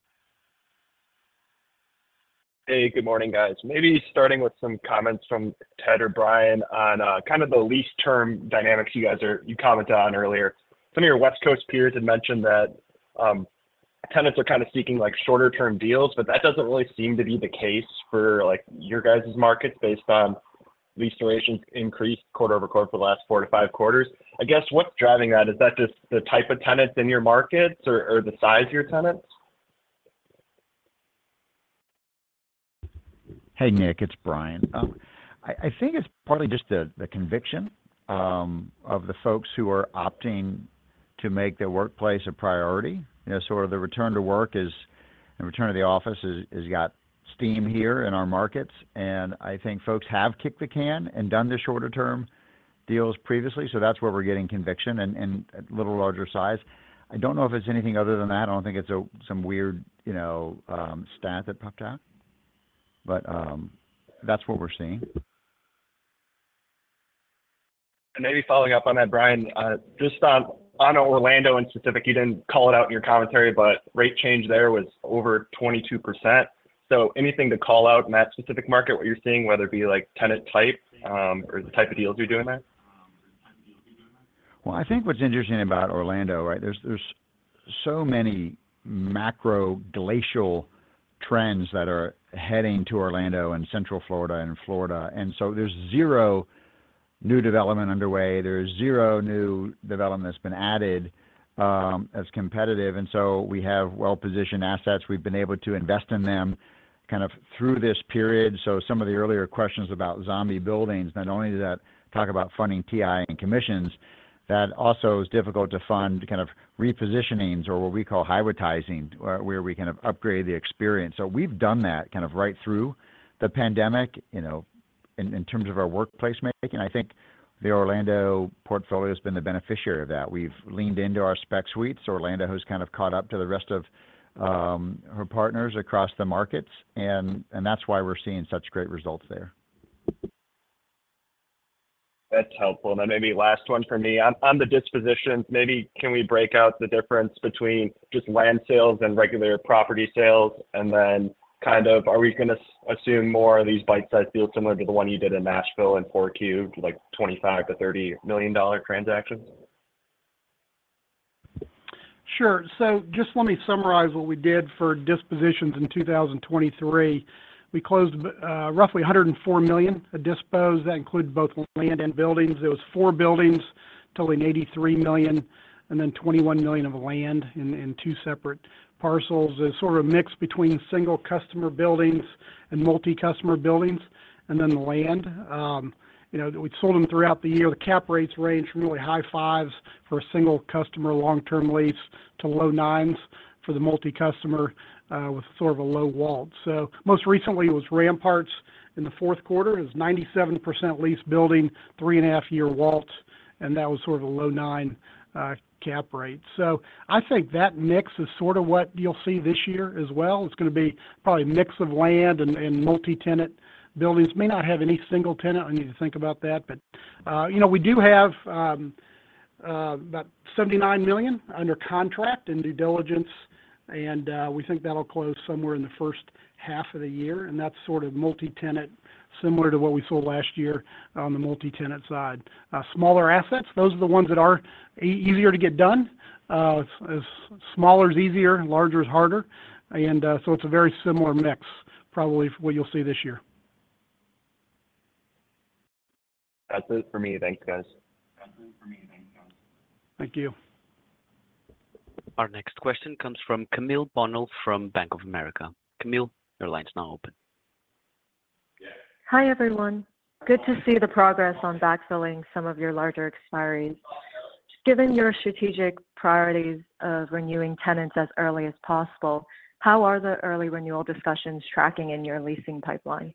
Hey, good morning, guys. Maybe starting with some comments from Ted or Brian on kind of the lease term dynamics you commented on earlier. Some of your West Coast peers had mentioned that tenants are kinda seeking like shorter-term deals, but that doesn't really seem to be the case for like your guys's markets based on lease durations increased quarter-over-quarter for the last 4-5 quarters. I guess, what's driving that? Is that just the type of tenants in your markets or the size of your tenants? Hey, Nick, it's Brian. I think it's partly just the conviction of the folks who are opting to make their workplace a priority. You know, sort of the return to work is and return to the office is got steam here in our markets, and I think folks have kicked the can and done the shorter term deals previously. So that's where we're getting conviction and a little larger size. I don't know if it's anything other than that. I don't think it's some weird, you know, stat that popped out, but that's what we're seeing. Maybe following up on that, Brian, just on, on Orlando and specific, you didn't call it out in your commentary, but rate change there was over 22%. Anything to call out in that specific market, what you're seeing, whether it be like tenant type, or the type of deals you're doing there? Well, I think what's interesting about Orlando, right, there's so many macro glacial trends that are heading to Orlando and Central Florida and Florida, and so there's zero new development underway. There's zero new development that's been added as competitive, and so we have well-positioned assets. We've been able to invest in them kind of through this period. So some of the earlier questions about zombie buildings, not only does that talk about funding TI and commissions, that also is difficult to fund kind of repositionings or what we call hybridizing, where we kind of upgrade the experience. So we've done that kind of right through the pandemic, you know, in terms of our workplace making. I think the Orlando portfolio has been the beneficiary of that. We've leaned into our spec suites. Orlando has kind of caught up to the rest of our partners across the markets, and that's why we're seeing such great results there. That's helpful. Then maybe last one for me. On the dispositions, maybe can we break out the difference between just land sales and regular property sales? And then kind of are we gonna assume more of these bite-sized deals similar to the one you did in Nashville and 4Q, like $25-$30 million transactions? Sure. So just let me summarize what we did for dispositions in 2023. We closed roughly $104 million of dispositions. That included both land and buildings. It was four buildings, totaling $83 million, and then $21 million of land in, in two separate parcels. It's sort of a mix between single customer buildings and multi-customer buildings, and then the land. You know, we sold them throughout the year. The cap rates range from really high fives for a single customer long-term lease to low nines for the multi-customer with sort of a low WALT. So most recently, it was Rampart in the fourth quarter. It was 97% leased building, 3.5-year WALT, and that was sort of a low nine cap rate. So I think that mix is sort of what you'll see this year as well. It's gonna be probably a mix of land and multi-tenant buildings. May not have any single tenant, I need to think about that, but, you know, we do have about $79 million under contract and due diligence. And we think that'll close somewhere in the first half of the year, and that's sort of multi-tenant, similar to what we sold last year on the multi-tenant side. Smaller assets, those are the ones that are easier to get done. As smaller is easier, larger is harder, and so it's a very similar mix, probably what you'll see this year. That's it for me. Thanks, guys. Thank you. Our next question comes from Camille Bonnel from Bank of America. Camille, your line is now open. Hi, everyone. Good to see the progress on backfilling some of your larger expiries. Given your strategic priorities of renewing tenants as early as possible, how are the early renewal discussions tracking in your leasing pipeline?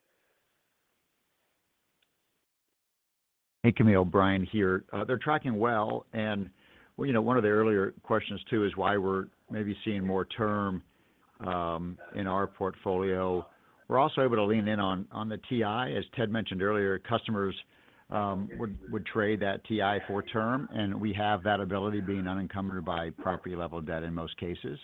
Hey, Camille, Brian here. They're tracking well, and well, you know, one of the earlier questions, too, is why we're maybe seeing more term in our portfolio. We're also able to lean in on the TI. As Ted mentioned earlier, customers would trade that TI for term, and we have that ability being unencumbered by property-level debt in most cases.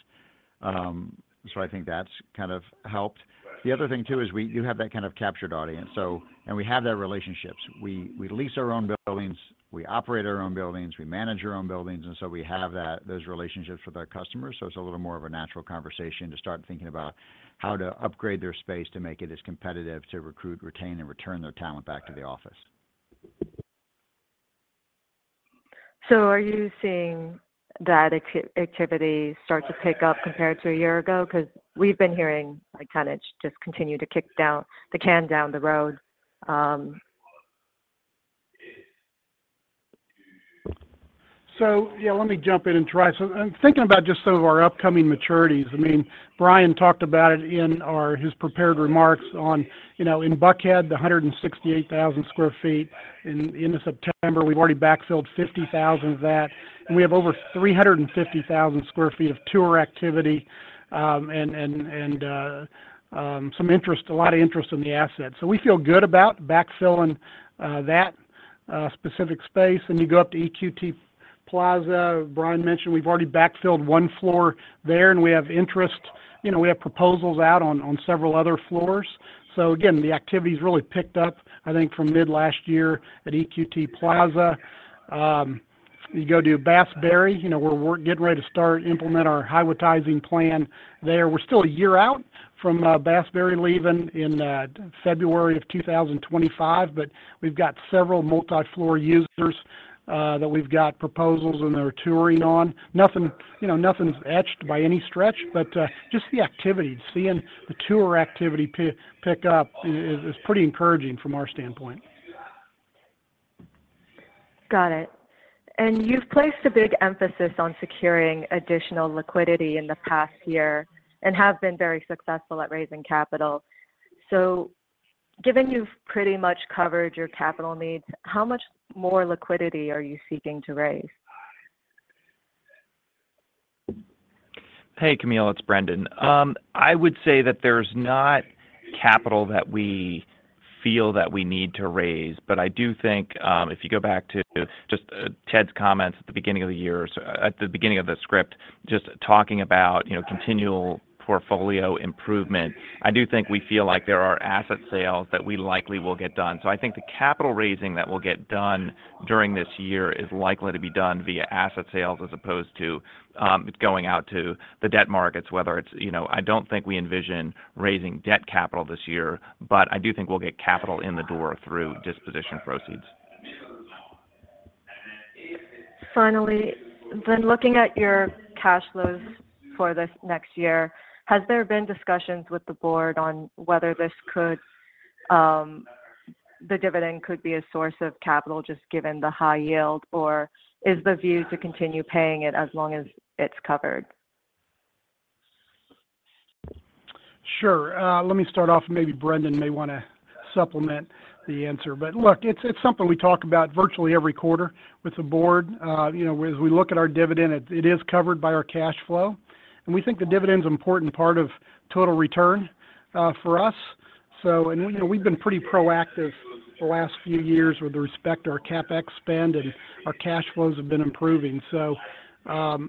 So I think that's kind of helped. The other thing, too, is we have that kind of captured audience, so... And we have that relationships. We lease our own buildings, we operate our own buildings, we manage our own buildings, and so we have that, those relationships with our customers, so it's a little more of a natural conversation to start thinking about how to upgrade their space to make it as competitive to recruit, retain, and return their talent back to the office. So are you seeing that activity start to pick up compared to a year ago? 'Cause we've been hearing, like, tenants just continue to kick the can down the road. So, yeah, let me jump in and try. So, thinking about just some of our upcoming maturities, I mean, Brian talked about it in our, his prepared remarks on, you know, in Buckhead, the 168,000 sq ft. In end of September, we've already backfilled 50,000 of that, and we have over 350,000 sq ft of tour activity, and some interest, a lot of interest in the asset. So we feel good about backfilling that specific space. And you go up to EQT Plaza, Brian mentioned we've already backfilled one floor there, and we have interest. You know, we have proposals out on several other floors. So again, the activity's really picked up, I think, from mid-last year at EQT Plaza. You go to Bass Berry, you know, we're getting ready to start implement our Highwoodtizing plan there. We're still a year out from Bass Berry leaving in February of 2025, but we've got several multi-floor users that we've got proposals, and they're touring on. Nothing, you know, nothing's etched by any stretch, but just the activity, seeing the tour activity pick up is pretty encouraging from our standpoint. Got it. And you've placed a big emphasis on securing additional liquidity in the past year and have been very successful at raising capital. So given you've pretty much covered your capital needs, how much more liquidity are you seeking to raise? Hey, Camille, it's Brendan. I would say that there's not capital that we feel that we need to raise, but I do think, if you go back to just, Ted's comments at the beginning of the year, so at the beginning of the script, just talking about, you know, continual portfolio improvement, I do think we feel like there are asset sales that we likely will get done. So I think the capital raising that will get done during this year is likely to be done via asset sales, as opposed to, going out to the debt markets, whether it's, you know... I don't think we envision raising debt capital this year, but I do think we'll get capital in the door through disposition proceeds. Finally, then, looking at your cash flows for this next year, has there been discussions with the board on whether this could, the dividend could be a source of capital, just given the high yield, or is the view to continue paying it as long as it's covered? Sure. Let me start off, and maybe Brendan may wanna supplement the answer. But look, it's something we talk about virtually every quarter with the board. You know, as we look at our dividend, it is covered by our cash flow, and we think the dividend is an important part of total return for us. And, you know, we've been pretty proactive the last few years with respect to our CapEx spend, and our cash flows have been improving. So,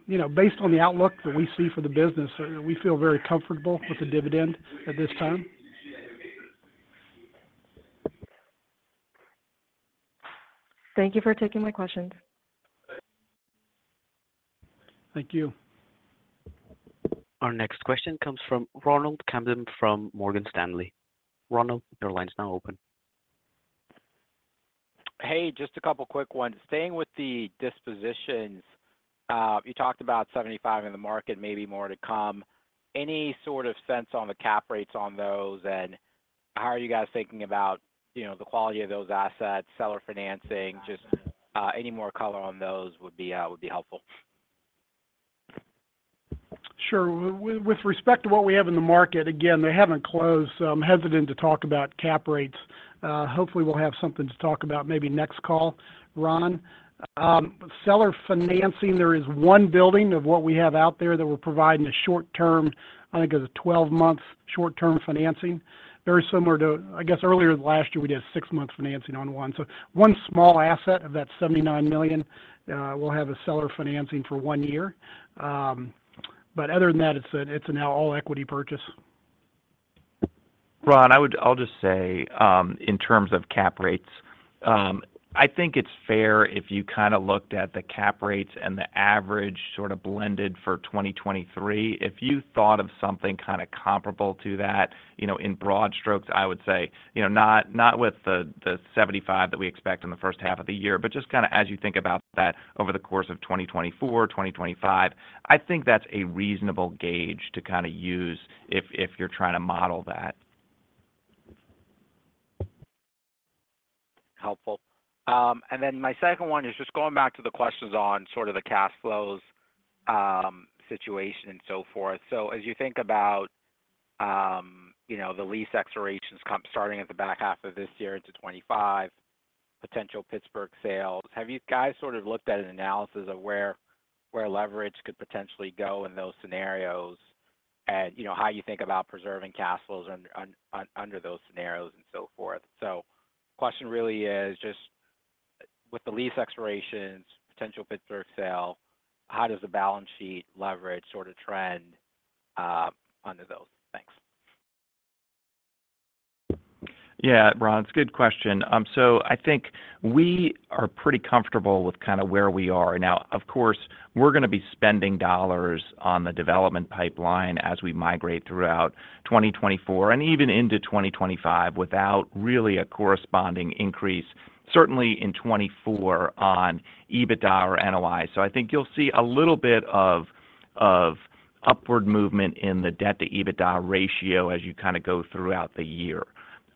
you know, based on the outlook that we see for the business, we feel very comfortable with the dividend at this time. Thank you for taking my questions. Thank you. Our next question comes from Ronald Kamdem from Morgan Stanley. Ronald, your line is now open. Hey, just a couple quick ones. Staying with the dispositions, you talked about 75 in the market, maybe more to come. Any sort of sense on the cap rates on those, and how are you guys thinking about, you know, the quality of those assets, seller financing? Just, any more color on those would be helpful. Sure. With respect to what we have in the market, again, they haven't closed, so I'm hesitant to talk about cap rates. Hopefully, we'll have something to talk about maybe next call, Ron. Seller financing, there is one building of what we have out there that we're providing a short-term, I think it's a 12-month short-term financing, very similar to, I guess, earlier last year, we did six-month financing on one. So one small asset of that $79 million will have a seller financing for one year. But other than that, it's now all equity purchase. Ron, I would, I'll just say, in terms of cap rates, I think it's fair if you kinda looked at the cap rates and the average sort of blended for 2023. If you thought of something kinda comparable to that, you know, in broad strokes, I would say, you know, not, not with the, the 75 that we expect in the first half of the year, but just kinda as you think about that over the course of 2024, 2025, I think that's a reasonable gauge to kinda use if, if you're trying to model that. Helpful. And then my second one is just going back to the questions on sort of the cash flows, situation and so forth. So as you think about, you know, the lease expirations starting at the back half of this year into 2025, potential Pittsburgh sales, have you guys sort of looked at an analysis of where leverage could potentially go in those scenarios? And, you know, how you think about preserving cash flows under those scenarios and so forth. So the question really is just, with the lease expirations, potential Pittsburgh sale, how does the balance sheet leverage sort of trend under those? Thanks. Yeah, Ron, it's a good question. So I think we are pretty comfortable with kinda where we are now. Of course, we're gonna be spending dollars on the development pipeline as we migrate throughout 2024 and even into 2025, without really a corresponding increase, certainly in 2024, on EBITDA or NOI. So I think you'll see a little bit of upward movement in the debt-to-EBITDA ratio as you kinda go throughout the year.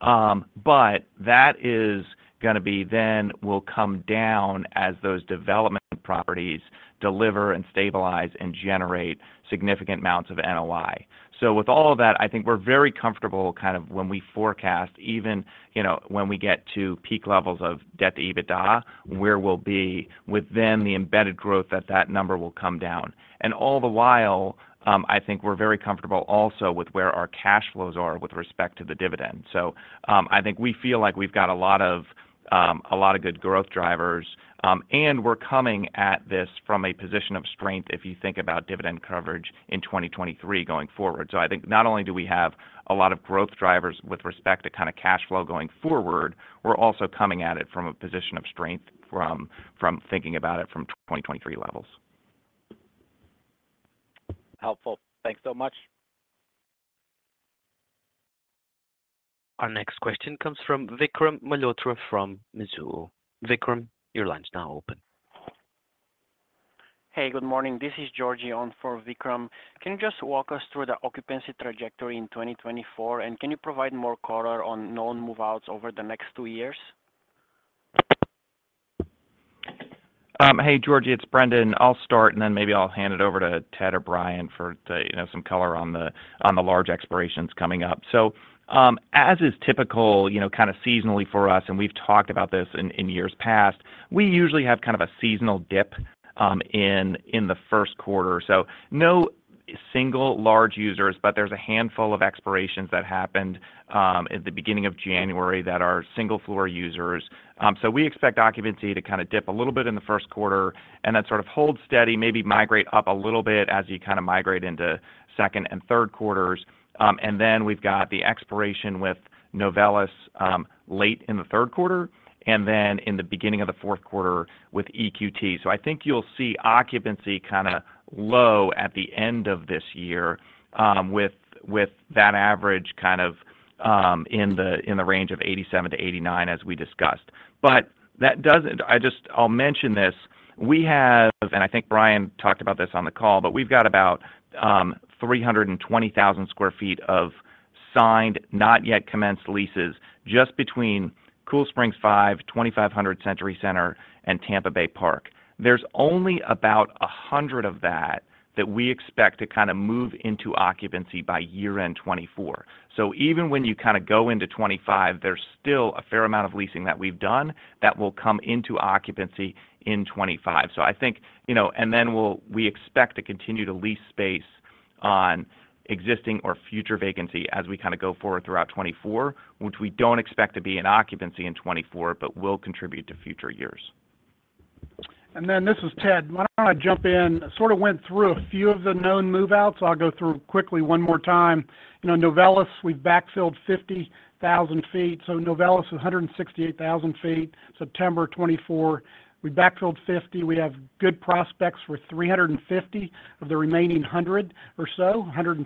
But that is gonna be then will come down as those development properties deliver and stabilize and generate significant amounts of NOI. So with all of that, I think we're very comfortable kind of when we forecast, even, you know, when we get to peak levels of debt to EBITDA, where we'll be within the embedded growth, that that number will come down. All the while, I think we're very comfortable also with where our cash flows are with respect to the dividend. So, I think we feel like we've got a lot of, a lot of good growth drivers, and we're coming at this from a position of strength if you think about dividend coverage in 2023 going forward. So I think not only do we have a lot of growth drivers with respect to kind of cash flow going forward, we're also coming at it from a position of strength from thinking about it from 2023 levels. Helpful. Thanks so much. Our next question comes from Vikram Malhotra from Mizuho. Vikram, your line's now open. Hey, good morning. This is Georgi on for Vikram. Can you just walk us through the occupancy trajectory in 2024, and can you provide more color on known move-outs over the next two years? Hey, Georgi, it's Brendan. I'll start, and then maybe I'll hand it over to Ted or Brian for the, you know, some color on the, on the large expirations coming up. So, as is typical, you know, kinda seasonally for us, and we've talked about this in years past, we usually have kind of a seasonal dip in the first quarter. So no single large users, but there's a handful of expirations that happened at the beginning of January that are single floor users. So we expect occupancy to kinda dip a little bit in the first quarter, and then sort of hold steady, maybe migrate up a little bit as you kinda migrate into second and third quarters. And then we've got the expiration with Novelis late in the third quarter, and then in the beginning of the fourth quarter with EQT. So I think you'll see occupancy kinda low at the end of this year, with that average kind of in the range of 87%-89%, as we discussed. But that doesn't—I just—I'll mention this: we have, and I think Brian talked about this on the call, but we've got about 320,000 sq ft of signed, not yet commenced leases, just between Cool Springs V, 2500 Century Center, and Tampa Bay Park. There's only about 100 of that that we expect to kinda move into occupancy by year-end 2024. So even when you kinda go into 2025, there's still a fair amount of leasing that we've done that will come into occupancy in 2025. So I think, you know... And then we'll, we expect to continue to lease space on existing or future vacancy as we kinda go forward throughout 2024, which we don't expect to be in occupancy in 2024, but will contribute to future years. And then this is Ted. Why don't I jump in? Sort of went through a few of the known move-outs, so I'll go through quickly one more time. You know, Novelis, we backfilled 50,000 sq ft. So Novelis is 168,000 sq ft, September 2024. We backfilled 50. We have good prospects for 350 of the remaining 100 or so, 120,000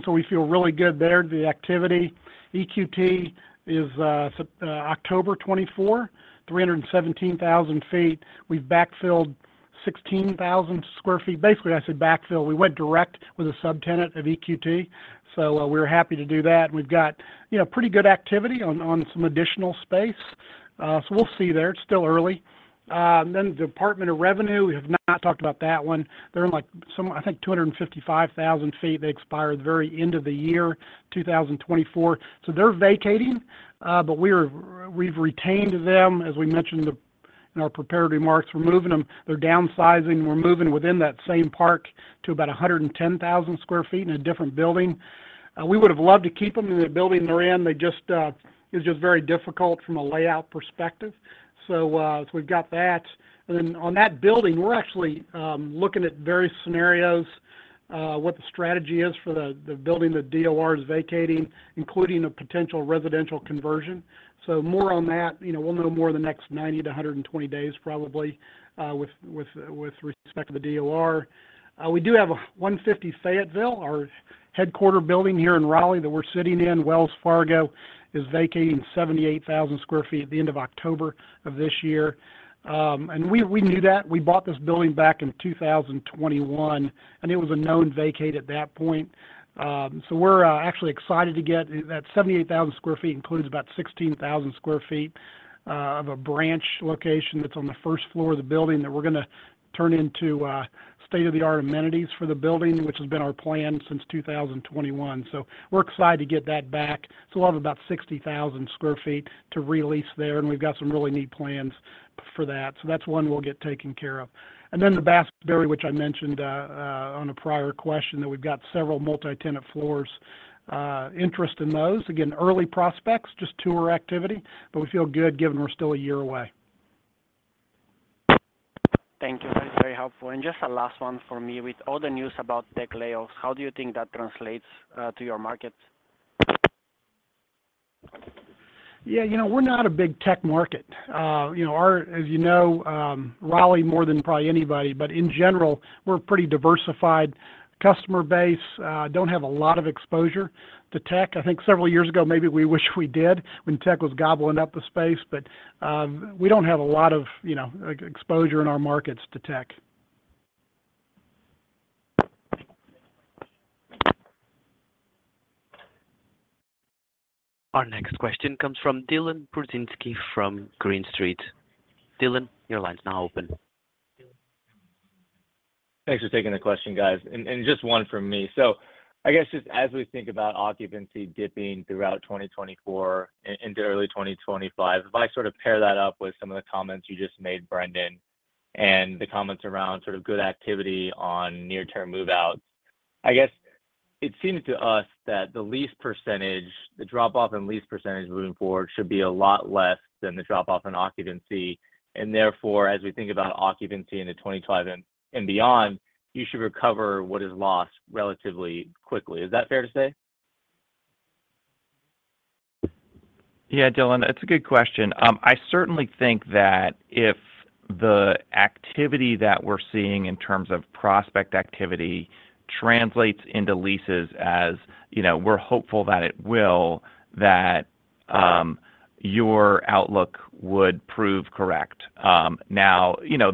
sq ft. So we feel really good there. The activity, EQT, is October 2024, 317,000 sq ft. We've backfilled 16,000 sq ft. Basically, I said backfill. We went direct with a subtenant of EQT, so we're happy to do that. We've got, you know, pretty good activity on some additional space, so we'll see there. It's still early. Then the Department of Revenue, we have not talked about that one. They're in, like, some, I think, 255,000 sq ft. They expire at the very end of the year, 2024. So they're vacating, but we've retained them, as we mentioned in our prepared remarks. We're moving them. They're downsizing. We're moving within that same park to about 110,000 sq ft in a different building. We would have loved to keep them in the building they're in. They just, it's just very difficult from a layout perspective. So we've got that. And then on that building, we're actually looking at various scenarios, what the strategy is for the building that DOR is vacating, including a potential residential conversion. So more on that, you know, we'll know more in the next 90-120 days, probably, with respect to the DOR. We do have a 150 Fayetteville, our headquarters building here in Raleigh that we're sitting in. Wells Fargo is vacating 78,000 sq ft at the end of October of this year. And we knew that. We bought this building back in 2021, and it was a known vacate at that point. So we're actually excited to get that 78,000 sq ft includes about 16,000 sq ft of a branch location that's on the first floor of the building that we're gonna turn into state-of-the-art amenities for the building, which has been our plan since 2021. So we're excited to get that back. So we'll have about 60,000 sq ft to release there, and we've got some really neat plans for that. So that's one we'll get taken care of. And then the Bass, Berry & Sims, which I mentioned on a prior question, that we've got several multi-tenant floors interest in those. Again, early prospects, just tour activity, but we feel good given we're still a year away. Thank you. That's very helpful. And just a last one for me. With all the news about tech layoffs, how do you think that translates to your market? Yeah, you know, we're not a big tech market. You know, as you know, Raleigh more than probably anybody, but in general, we're a pretty diversified customer base. Don't have a lot of exposure to tech. I think several years ago, maybe we wish we did when tech was gobbling up the space, but we don't have a lot of, you know, exposure in our markets to tech. Our next question comes from Dylan Burzinski from Green Street. Dylan, your line is now open. Thanks for taking the question, guys, and, and just one from me. So I guess just as we think about occupancy dipping throughout 2024 into early 2025, if I sort of pair that up with some of the comments you just made, Brendan, and the comments around sort of good activity on near-term move-out, I guess it seems to us that the lease percentage, the drop-off and lease percentage moving forward, should be a lot less than the drop-off in occupancy. And therefore, as we think about occupancy in the 2025 and, and beyond, you should recover what is lost relatively quickly. Is that fair to say? Yeah, Dylan, it's a good question. I certainly think that if the activity that we're seeing in terms of prospect activity translates into leases, as, you know, we're hopeful that it will, that your outlook would prove correct. Now, you know,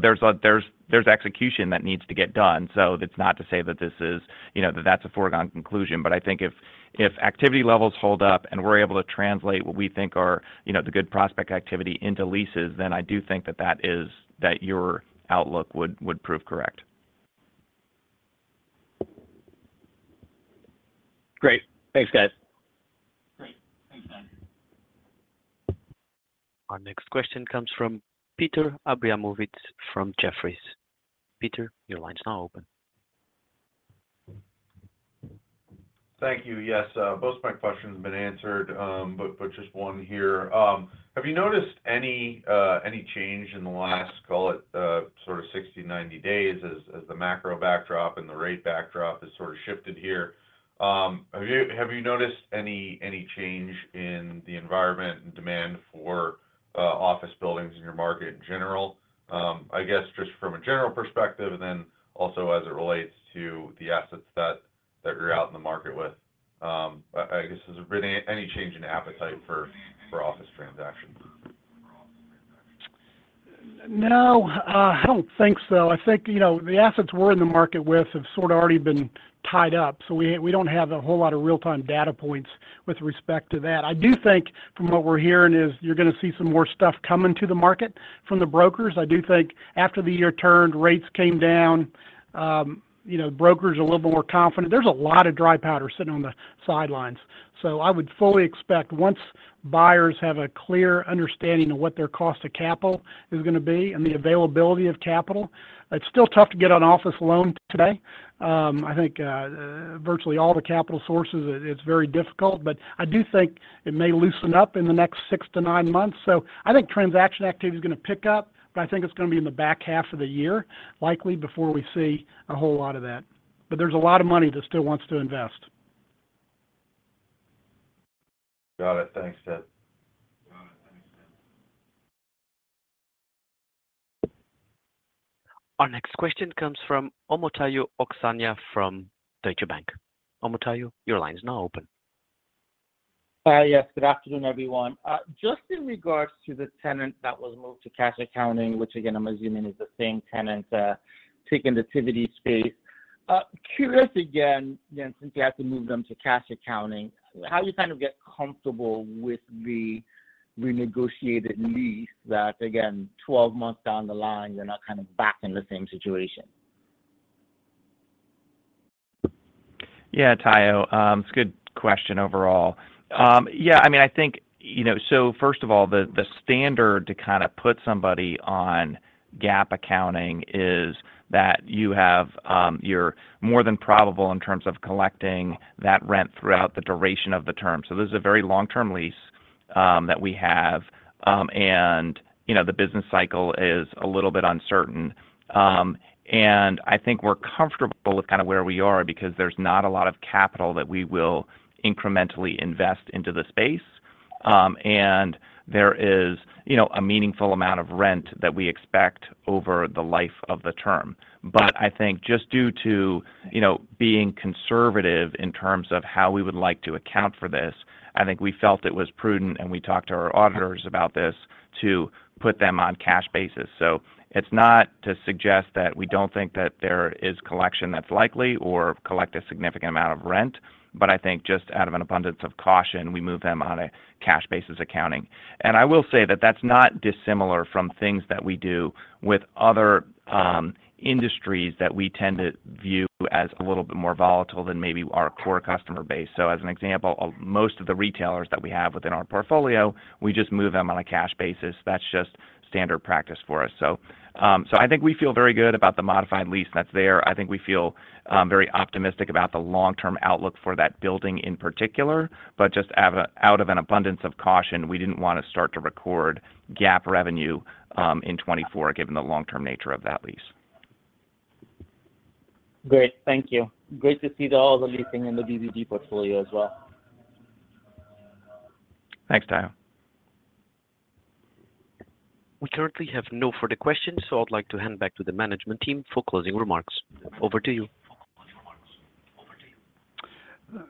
there's execution that needs to get done. So it's not to say that this is, you know, that that's a foregone conclusion. But I think if activity levels hold up and we're able to translate what we think are, you know, the good prospect activity into leases, then I do think that your outlook would prove correct. Great. Thanks, guys. Great. Thanks, Dylan. Our next question comes from Peter Abramowitz from Jefferies. Peter, your line is now open. Thank you. Yes, most of my questions have been answered, but just one here. Have you noticed any change in the last, call it, sort of 60, 90 days as the macro backdrop and the rate backdrop has sort of shifted here? Have you noticed any change in the environment and demand for office buildings in your market in general? I guess, is there been any change in appetite for office transactions? No, I don't think so. I think, you know, the assets we're in the market with have sort of already been tied up, so we don't have a whole lot of real-time data points with respect to that. I do think from what we're hearing is you're gonna see some more stuff coming to the market from the brokers. I do think after the year turned, rates came down, you know, brokers are a little more confident. There's a lot of dry powder sitting on the sidelines. So I would fully expect once buyers have a clear understanding of what their cost of capital is gonna be and the availability of capital, it's still tough to get an office loan today. I think, virtually all the capital sources, it's very difficult, but I do think it may loosen up in the next six to nine months. So I think transaction activity is gonna pick up, but I think it's gonna be in the back half of the year, likely before we see a whole lot of that. But there's a lot of money that still wants to invest. Got it. Thanks, Ted. Got it. Thanks, Ted. Our next question comes from Omotayo Okusanya from Deutsche Bank. Omotayo, your line is now open. Yes, good afternoon, everyone. Just in regards to the tenant that was moved to cash accounting, which again, I'm assuming is the same tenant, taking the Tivity space. Curious again, then, since you have to move them to cash accounting, how do you kind of get comfortable with the renegotiated lease that, again, 12 months down the line, you're not kind of back in the same situation? Yeah, Tayo, it's a good question overall. Yeah, I mean, I think, you know, so first of all, the standard to kinda put somebody on GAAP accounting is that you have, you're more than probable in terms of collecting that rent throughout the duration of the term. So this is a very long-term lease that we have, and, you know, the business cycle is a little bit uncertain. And I think we're comfortable with kind of where we are because there's not a lot of capital that we will incrementally invest into the space. And there is, you know, a meaningful amount of rent that we expect over the life of the term. But I think just due to, you know, being conservative in terms of how we would like to account for this, I think we felt it was prudent, and we talked to our auditors about this, to put them on cash basis. So it's not to suggest that we don't think that there is collection that's likely or collect a significant amount of rent, but I think just out of an abundance of caution, we moved them on a cash basis accounting. And I will say that that's not dissimilar from things that we do with other, industries that we tend to view as a little bit more volatile than maybe our core customer base. So as an example, most of the retailers that we have within our portfolio, we just move them on a cash basis. That's just standard practice for us. So, I think we feel very good about the modified lease that's there. I think we feel very optimistic about the long-term outlook for that building in particular, but just out of an abundance of caution, we didn't want to start to record GAAP revenue in 2024, given the long-term nature of that lease. Great. Thank you. Great to see all the leasing in the BBD portfolio as well. Thanks, Tayo. We currently have no further questions, so I'd like to hand back to the management team for closing remarks. Over to you.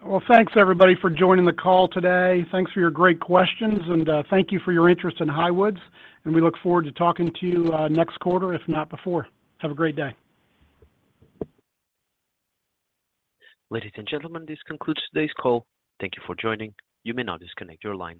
Well, thanks, everybody, for joining the call today. Thanks for your great questions, and thank you for your interest in Highwoods, and we look forward to talking to you next quarter, if not before. Have a great day. Ladies and gentlemen, this concludes today's call. Thank you for joining. You may now disconnect your line.